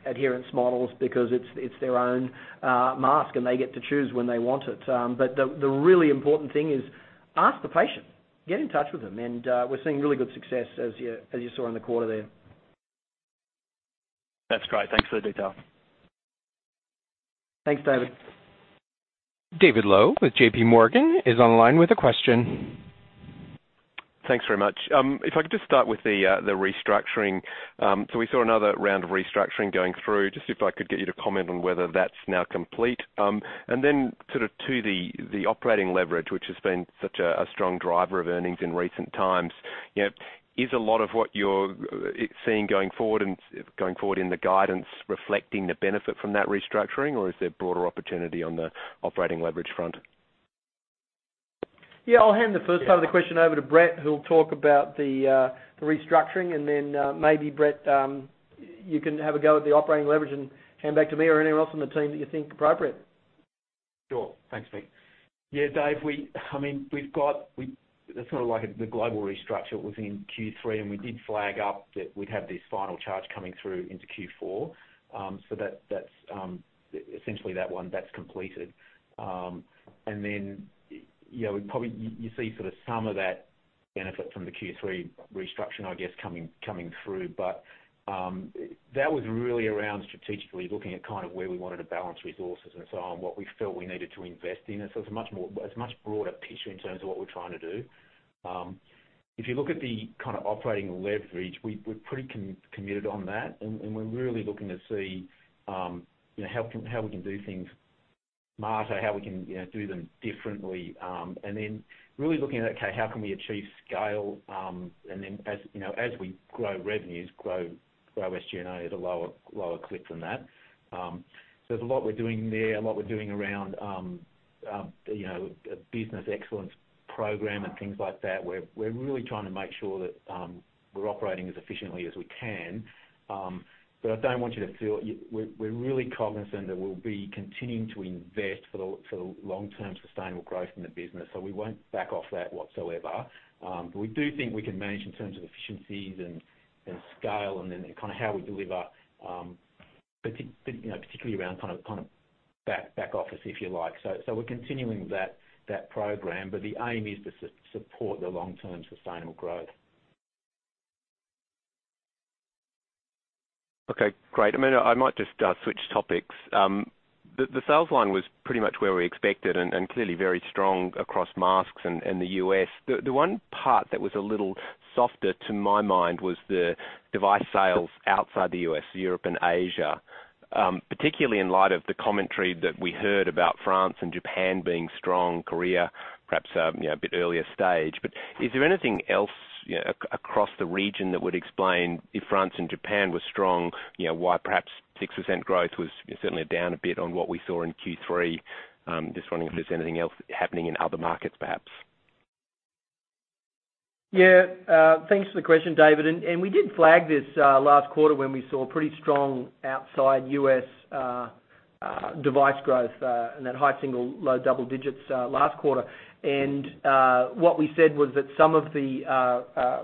[SPEAKER 3] adherence models because it's their own mask, and they get to choose when they want it. The really important thing is ask the patient. Get in touch with them. We're seeing really good success, as you saw in the quarter there.
[SPEAKER 10] That's great. Thanks for the detail.
[SPEAKER 3] Thanks, David.
[SPEAKER 1] David Low with JP Morgan is online with a question.
[SPEAKER 11] Thanks very much. If I could just start with the restructuring. We saw another round of restructuring going through. Just if I could get you to comment on whether that's now complete. Sort of to the operating leverage, which has been such a strong driver of earnings in recent times. Is a lot of what you're seeing going forward in the guidance reflecting the benefit from that restructuring, or is there broader opportunity on the operating leverage front?
[SPEAKER 3] Yeah, I'll hand the first part of the question over to Brett, who'll talk about the restructuring, and then maybe, Brett, you can have a go at the operating leverage and hand back to me or anyone else on the team that you think appropriate.
[SPEAKER 4] Sure. Thanks, Mick. Dave, we've got, sort of like the global restructure was in Q3, we did flag up that we'd have this final charge coming through into Q4. Essentially that one, that's completed. You see sort of some of that benefit from the Q3 restructuring, I guess, coming through. That was really around strategically looking at kind of where we wanted to balance resources and so on, what we felt we needed to invest in. It's a much broader picture in terms of what we're trying to do. If you look at the kind of operating leverage, we're pretty committed on that, we're really looking to see how we can do things smarter, how we can do them differently. Really looking at, okay, how can we achieve scale? As we grow revenues, grow SG&A at a lower clip than that. There's a lot we're doing there, a lot we're doing around, business excellence program and things like that, where we're really trying to make sure that we're operating as efficiently as we can. We're really cognizant that we'll be continuing to invest for the long-term sustainable growth in the business. We won't back off that whatsoever. We do think we can manage in terms of efficiencies and scale and then kind of how we deliver, particularly around kind of back office, if you like. We're continuing that program, but the aim is to support the long-term sustainable growth.
[SPEAKER 11] Okay, great. I might just switch topics. The sales line was pretty much where we expected and clearly very strong across masks and the U.S. The one part that was a little softer to my mind was the device sales outside the U.S., Europe, and Asia. Particularly in light of the commentary that we heard about France and Japan being strong, Korea perhaps a bit earlier stage. Is there anything else across the region that would explain if France and Japan were strong, why perhaps 6% growth was certainly down a bit on what we saw in Q3? I'm just wondering if there's anything else happening in other markets, perhaps.
[SPEAKER 3] Thanks for the question, David. We did flag this last quarter when we saw pretty strong outside U.S. device growth, in that high single, low double digits last quarter. What we said was that some of the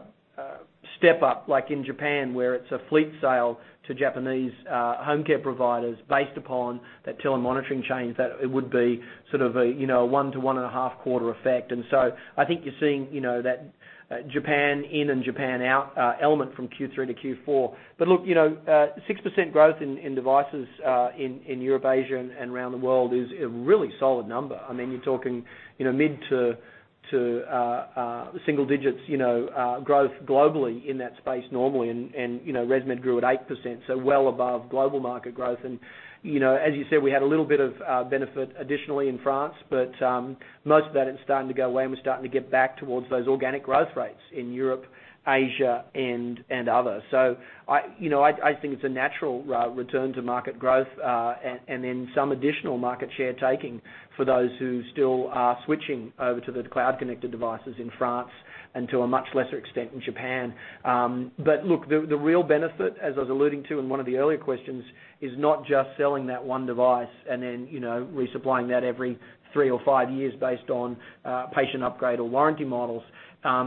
[SPEAKER 3] step up, like in Japan, where it's a fleet sale to Japanese home care providers based upon that telemonitoring change, that it would be sort of a one to one and a half quarter effect. I think you're seeing that Japan in and Japan out element from Q3 to Q4. Look, 6% growth in devices, in Europe, Asia, and around the world is a really solid number. You're talking mid to single digits growth globally in that space normally, ResMed grew at 8%, so well above global market growth. As you said, we had a little bit of benefit additionally in France, but, most of that is starting to go away, and we're starting to get back towards those organic growth rates in Europe, Asia, and other. I think it's a natural return to market growth, and then some additional market share taking for those who still are switching over to the cloud-connected devices in France and to a much lesser extent in Japan. Look, the real benefit, as I was alluding to in one of the earlier questions, is not just selling that one device and then resupplying that every three or five years based on patient upgrade or warranty models.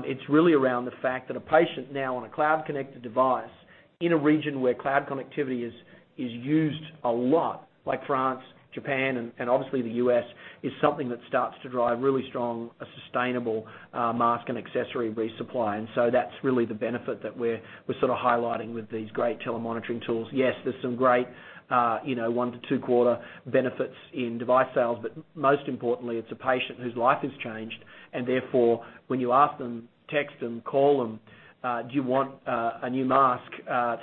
[SPEAKER 3] It's really around the fact that a patient now on a cloud-connected device in a region where cloud connectivity is used a lot, like France, Japan, and obviously the U.S., is something that starts to drive really strong, a sustainable mask and accessory resupply. That's really the benefit that we're highlighting with these great telemonitoring tools. Yes, there's some great one to two-quarter benefits in device sales, but most importantly, it's a patient whose life has changed, and therefore, when you ask them, text them, call them, do you want a new mask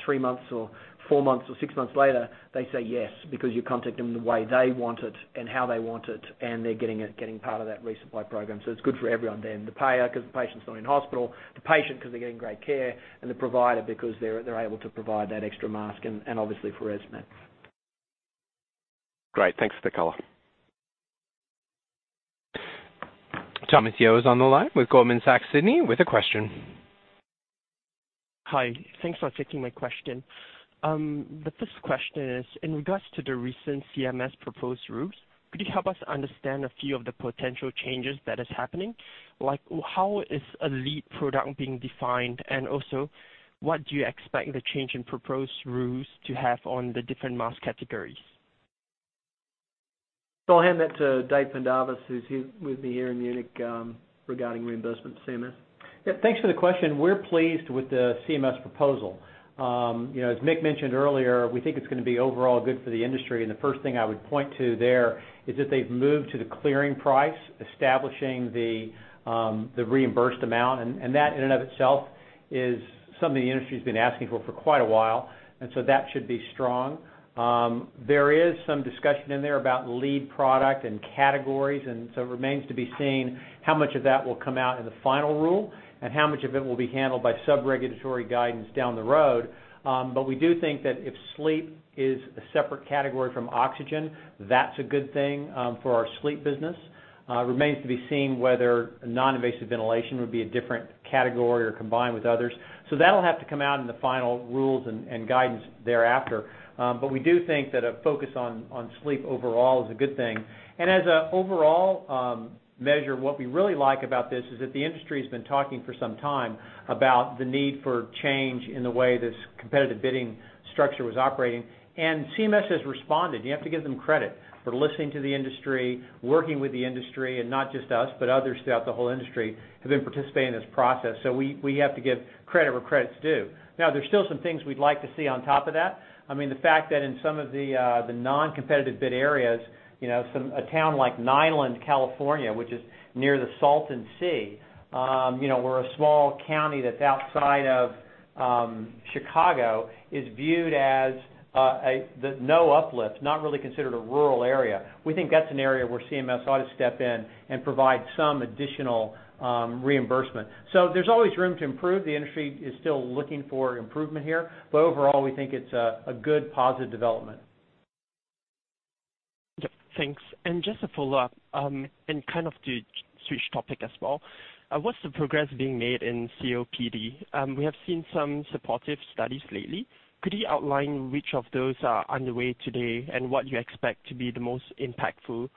[SPEAKER 3] three months or four months or six months later, they say yes, because you contact them the way they want it and how they want it, and they're getting part of that resupply program. It's good for everyone then. The payer, because the patient's not in hospital, the patient because they're getting great care, and the provider because they're able to provide that extra mask, and obviously for ResMed.
[SPEAKER 11] Great. Thanks for the color.
[SPEAKER 1] Thomas Yeo is on the line with Goldman Sachs Sydney with a question.
[SPEAKER 12] Hi. Thanks for taking my question. The first question is, in regards to the recent CMS Proposed Rules, could you help us understand a few of the potential changes that is happening? Like how is a lead product being defined, and also, what do you expect the change in Proposed Rules to have on the different mask categories?
[SPEAKER 3] I'll hand that to David Pendarvis, who's here with me here in Munich, regarding reimbursement CMS.
[SPEAKER 13] Yeah, thanks for the question. We're pleased with the CMS Proposal. As Mick mentioned earlier, we think it's going to be overall good for the industry, and the first thing I would point to there is that they've moved to the clearing price, establishing the reimbursed amount. That in and of itself is something the industry's been asking for for quite a while, that should be strong. There is some discussion in there about lead product and categories, it remains to be seen how much of that will come out in the Final Rule and how much of it will be handled by sub-regulatory guidance down the road. We do think that if sleep is a separate category from oxygen, that's a good thing for our sleep business. Remains to be seen whether non-invasive ventilation would be a different category or combined with others. That'll have to come out in the final rules and guidance thereafter. We do think that a focus on sleep overall is a good thing. As an overall measure, what we really like about this is that the industry has been talking for some time about the need for change in the way this competitive bidding structure was operating. CMS has responded. You have to give them credit for listening to the industry, working with the industry, and not just us, but others throughout the whole industry have been participating in this process. We have to give credit where credit's due. There's still some things we'd like to see on top of that. I mean, the fact that in some of the non-competitive bid areas, a town like Niland, California, which is near the Salton Sea, or a small county that's outside of Chicago, is viewed as no uplift, not really considered a rural area. We think that's an area where CMS ought to step in and provide some additional reimbursement. There's always room to improve. The industry is still looking for improvement here, overall, we think it's a good, positive development.
[SPEAKER 12] Yeah. Thanks. Just a follow-up. Kind of to switch topic as well. What's the progress being made in COPD? We have seen some supportive studies lately. Could you outline which of those are underway today and what you expect to be the most impactful,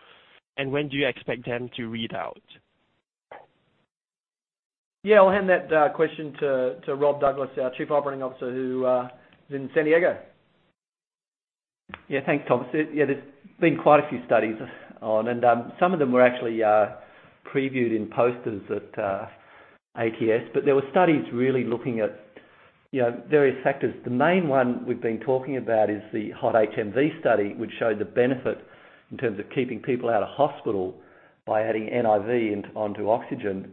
[SPEAKER 12] and when do you expect them to read out?
[SPEAKER 3] Yeah, I'll hand that question to Rob Douglas, our Chief Operating Officer, who is in San Diego.
[SPEAKER 14] Thanks, Thomas. There's been quite a few studies on, and some of them were actually previewed in posters at ATS. There were studies really looking at various factors. The main one we've been talking about is the HOT-HMV study, which showed the benefit in terms of keeping people out of hospital by adding NIV onto oxygen.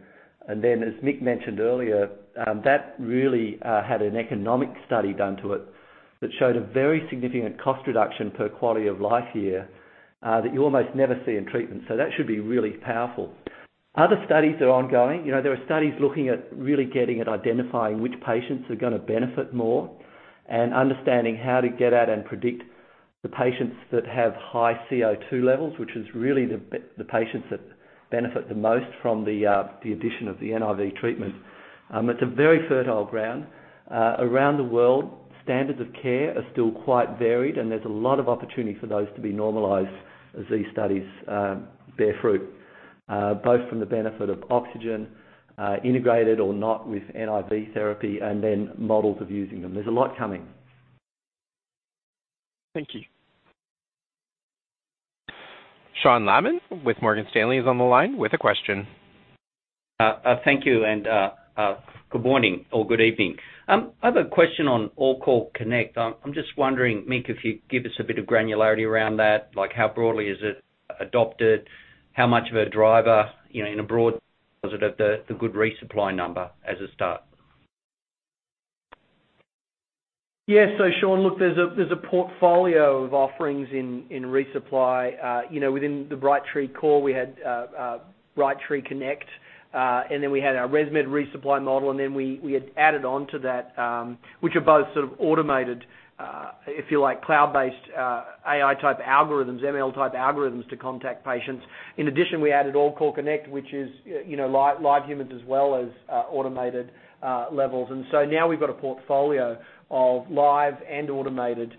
[SPEAKER 14] As Mick mentioned earlier, that really had an economic study done to it that showed a very significant cost reduction per quality of life year that you almost never see in treatment. That should be really powerful. Other studies are ongoing. There are studies looking at really getting at identifying which patients are going to benefit more and understanding how to get at and predict the patients that have high CO2 levels, which is really the patients that benefit the most from the addition of the NIV treatment. It's a very fertile ground. Around the world, standards of care are still quite varied, and there's a lot of opportunity for those to be normalized as these studies bear fruit, both from the benefit of oxygen, integrated or not, with NIV therapy, and then models of using them. There's a lot coming.
[SPEAKER 12] Thank you.
[SPEAKER 1] Sean Laaman with Morgan Stanley is on the line with a question.
[SPEAKER 15] Thank you. Good morning or good evening. I have a question on AllCall Connect. I'm just wondering, Mick, if you could give us a bit of granularity around that, like how broadly is it adopted, how much of a driver was it at the good resupply number as a start?
[SPEAKER 3] Yeah. Sean, look, there's a portfolio of offerings in resupply. Within the Brightree core, we had Brightree Connect. Then we had our ResMed resupply model. Then we had added on to that, which are both sort of automated If you like, cloud-based AI type algorithms, ML type algorithms to contact patients. In addition, we added AllCall Connect, which is live humans as well as automated levels. Now we've got a portfolio of live and automated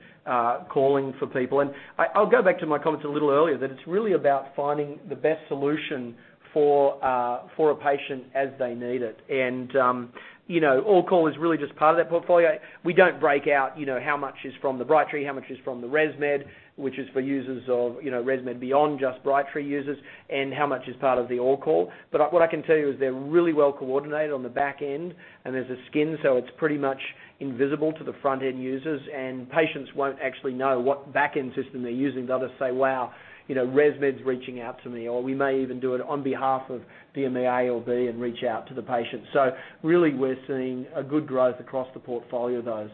[SPEAKER 3] calling for people. I'll go back to my comments a little earlier, that it's really about finding the best solution for a patient as they need it. AllCall is really just part of that portfolio. We don't break out how much is from the Brightree, how much is from the ResMed, which is for users of ResMed beyond just Brightree users, and how much is part of the AllCall. What I can tell you is they're really well coordinated on the back end, and there's a skin, so it's pretty much invisible to the front-end users, and patients won't actually know what back-end system they're using. They'll just say, "Wow, ResMed's reaching out to me." Or we may even do it on behalf of DME A or B and reach out to the patient. Really, we're seeing a good growth across the portfolio of those.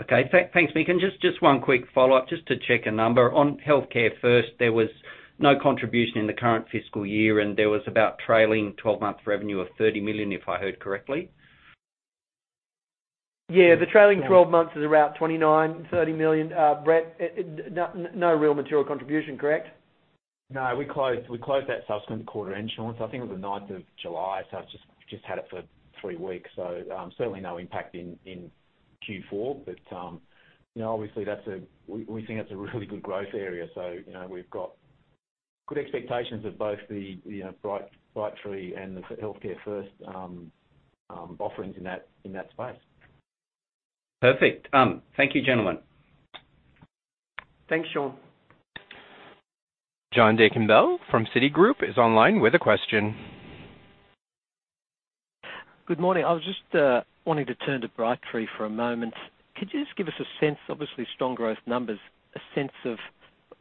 [SPEAKER 15] Okay. Thanks, Mick. Just one quick follow-up, just to check a number. On HEALTHCAREfirst, there was no contribution in the current fiscal year, there was about trailing 12-month revenue of $30 million, if I heard correctly?
[SPEAKER 3] Yeah, the trailing 12 months is around $29 million-$30 million. Brett, no real material contribution, correct?
[SPEAKER 4] We closed that subsequent quarter in July. I think it was the 9th of July, so it's just had it for three weeks. Certainly no impact in Q4. Obviously, we think that's a really good growth area. We've got good expectations of both the Brightree and the HEALTHCAREfirst offerings in that space.
[SPEAKER 15] Perfect. Thank you, gentlemen.
[SPEAKER 3] Thanks, Sean.
[SPEAKER 1] Joanne Wuensch from Citigroup is online with a question.
[SPEAKER 16] Good morning. I was just wanting to turn to Brightree for a moment. Could you just give us a sense, obviously strong growth numbers, a sense of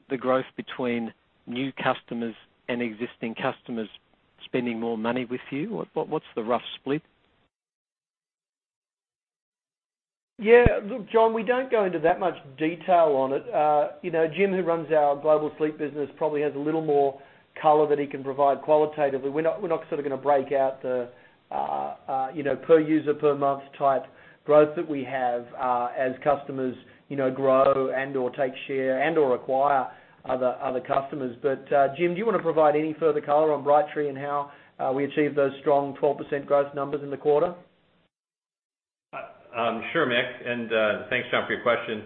[SPEAKER 16] the growth between new customers and existing customers spending more money with you? What's the rough split?
[SPEAKER 3] Yeah. Look, John, we don't go into that much detail on it. Jim, who runs our global sleep business, probably has a little more color that he can provide qualitatively. We're not going to break out the per user, per month type growth that we have, as customers grow and/or take share and/or acquire other customers. Jim, do you want to provide any further color on Brightree and how we achieved those strong 12% growth numbers in the quarter?
[SPEAKER 9] Sure, Mick. Thanks, John, for your question.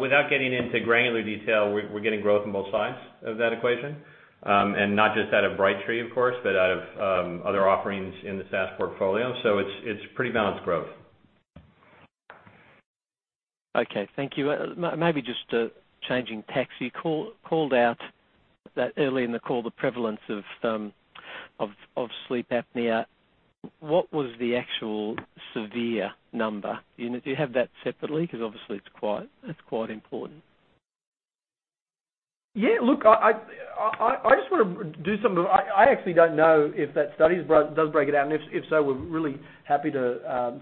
[SPEAKER 9] Without getting into granular detail, we're getting growth on both sides of that equation. Not just out of Brightree, of course, but out of other offerings in the SaaS portfolio. It's pretty balanced growth.
[SPEAKER 16] Okay. Thank you. Maybe just changing tact. You called out, early in the call, the prevalence of sleep apnea. What was the actual severe number? Do you have that separately? Obviously it's quite important.
[SPEAKER 3] Yeah, look, I actually don't know if that study does break it down. If so, we're really happy to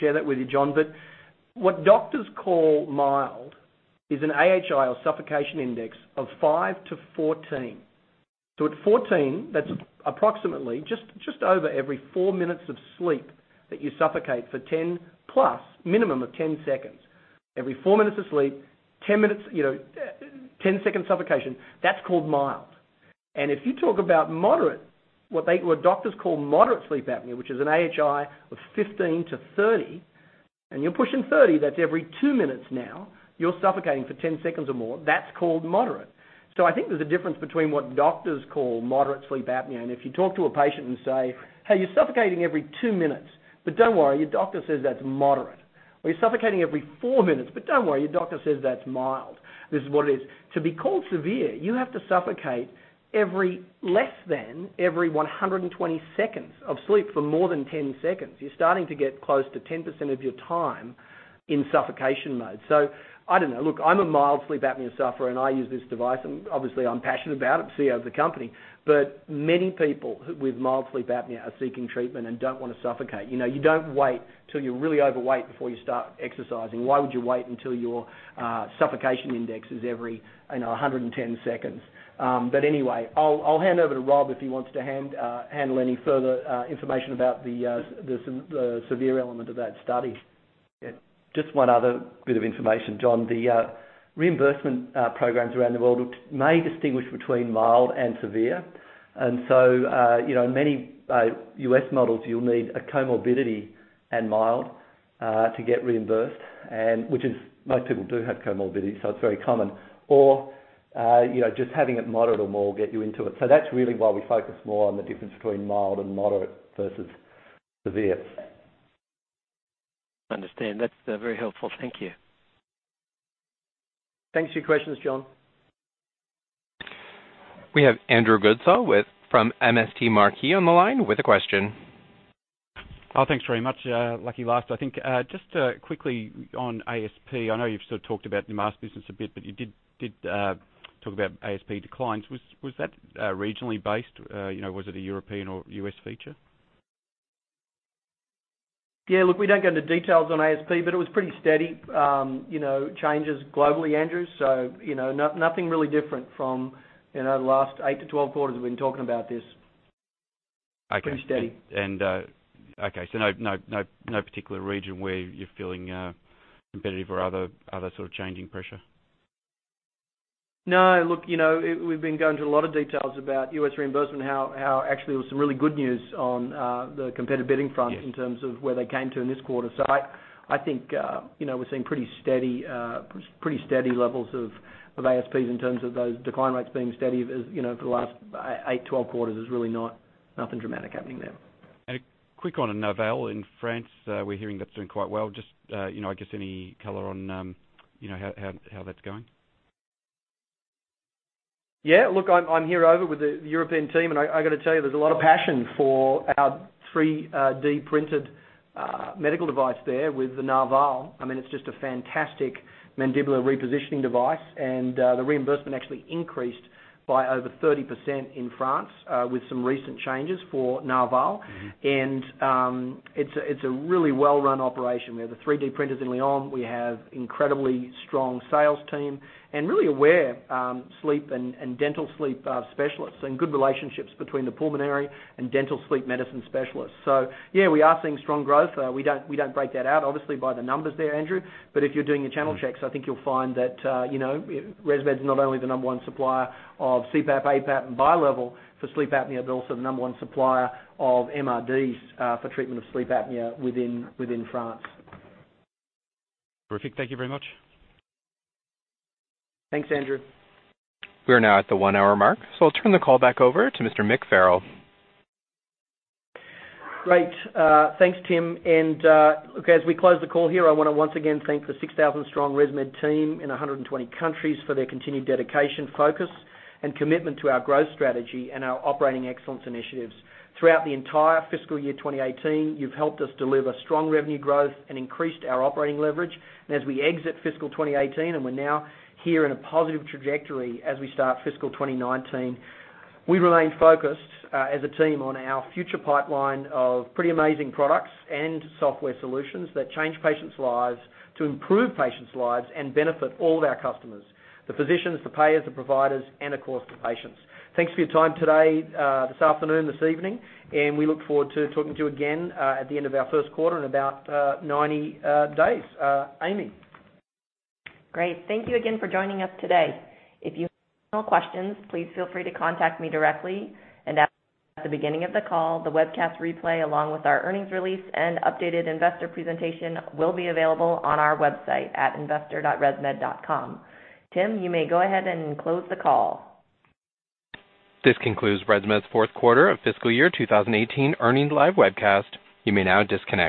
[SPEAKER 3] share that with you, John. What doctors call mild is an AHI, or suffocation index, of 5 to 14. At 14, that's approximately just over every four minutes of sleep that you suffocate for 10 plus, minimum of 10 seconds. Every four minutes of sleep, 10 seconds suffocation. That's called mild. If you talk about moderate, what doctors call moderate sleep apnea, which is an AHI of 15 to 30, and you're pushing 30, that's every two minutes now, you're suffocating for 10 seconds or more. That's called moderate. I think there's a difference between what doctors call moderate sleep apnea, and if you talk to a patient and say, "Hey, you're suffocating every two minutes. Don't worry, your doctor says that's moderate." "You're suffocating every four minutes, but don't worry, your doctor says that's mild." This is what it is. To be called severe, you have to suffocate less than every 120 seconds of sleep for more than 10 seconds. You're starting to get close to 10% of your time in suffocation mode. I don't know. Look, I'm a mild sleep apnea sufferer, and I use this device, and obviously, I'm passionate about it, CEO of the company. Many people with mild sleep apnea are seeking treatment and don't want to suffocate. You don't wait till you're really overweight before you start exercising. Why would you wait until your suffocation index is every 110 seconds? Anyway, I'll hand over to Rob if he wants to handle any further information about the severe element of that study.
[SPEAKER 14] Just one other bit of information, John. The reimbursement programs around the world may distinguish between mild and severe. In many U.S. models, you'll need a comorbidity and mild to get reimbursed, which most people do have comorbidity, so it's very common. Just having it moderate or more will get you into it. That's really why we focus more on the difference between mild and moderate versus severe.
[SPEAKER 16] Understand. That's very helpful. Thank you.
[SPEAKER 3] Thanks for your questions, John.
[SPEAKER 1] We have Andrew Goodsall from MST Marquee on the line with a question.
[SPEAKER 17] Oh, thanks very much. Lucky last, I think. Just quickly on ASP, I know you've sort of talked about the mask business a bit, but you did talk about ASP declines. Was that regionally based? Was it a European or U.S. feature?
[SPEAKER 3] Yeah, look, we don't go into details on ASP, but it was pretty steady changes globally, Andrew. Nothing really different from the last 8 to 12 quarters we've been talking about this.
[SPEAKER 17] Okay.
[SPEAKER 3] Pretty steady.
[SPEAKER 17] Okay, no particular region where you're feeling competitive or other sort of changing pressure?
[SPEAKER 3] No. Look, we've been going through a lot of details about U.S. reimbursement, how actually there was some really good news on the competitive bidding front.
[SPEAKER 17] Yes
[SPEAKER 3] In terms of where they came to in this quarter. I think, we're seeing pretty steady levels of ASPs in terms of those decline rates being steady as, for the last 8-12 quarters. There's really nothing dramatic happening there.
[SPEAKER 17] Quick on Narval in France. We're hearing that's doing quite well. Just, I guess any color on how that's going.
[SPEAKER 3] Yeah. Look, I'm here over with the European team, I've got to tell you, there's a lot of passion for our 3D-printed medical device there with the Narval. It's just a fantastic mandibular repositioning device. The reimbursement actually increased by over 30% in France, with some recent changes for Narval. It's a really well-run operation. We have the 3D printers in Lyon. We have incredibly strong sales team and really aware sleep and dental sleep specialists and good relationships between the pulmonary and dental sleep medicine specialists. Yeah, we are seeing strong growth. We don't break that out, obviously, by the numbers there, Andrew. If you're doing your channel checks, I think you'll find that ResMed's not only the number one supplier of CPAP, APAP, and bilevel for sleep apnea, but also the number one supplier of MRDs for treatment of sleep apnea within France.
[SPEAKER 17] Terrific. Thank you very much.
[SPEAKER 3] Thanks, Andrew.
[SPEAKER 1] We're now at the one-hour mark. I'll turn the call back over to Mr. Mick Farrell.
[SPEAKER 3] Great. Thanks, Tim. Look, as we close the call here, I want to once again thank the 6,000-strong ResMed team in 120 countries for their continued dedication, focus, and commitment to our growth strategy and our operating excellence initiatives. Throughout the entire fiscal year 2018, you've helped us deliver strong revenue growth and increased our operating leverage. As we exit fiscal 2018, and we're now here in a positive trajectory as we start fiscal 2019, we remain focused, as a team, on our future pipeline of pretty amazing products and software solutions that change patients' lives, to improve patients' lives, and benefit all of our customers, the physicians, the payers, the providers, and of course, the patients. Thanks for your time today, this afternoon, this evening, and we look forward to talking to you again at the end of our first quarter in about 90 days. Amy?
[SPEAKER 2] Great. Thank you again for joining us today. If you have additional questions, please feel free to contact me directly. As mentioned at the beginning of the call, the webcast replay, along with our earnings release and updated investor presentation, will be available on our website at investor.resmed.com. Tim, you may go ahead and close the call.
[SPEAKER 1] This concludes ResMed's fourth quarter of fiscal year 2018 earnings live webcast. You may now disconnect.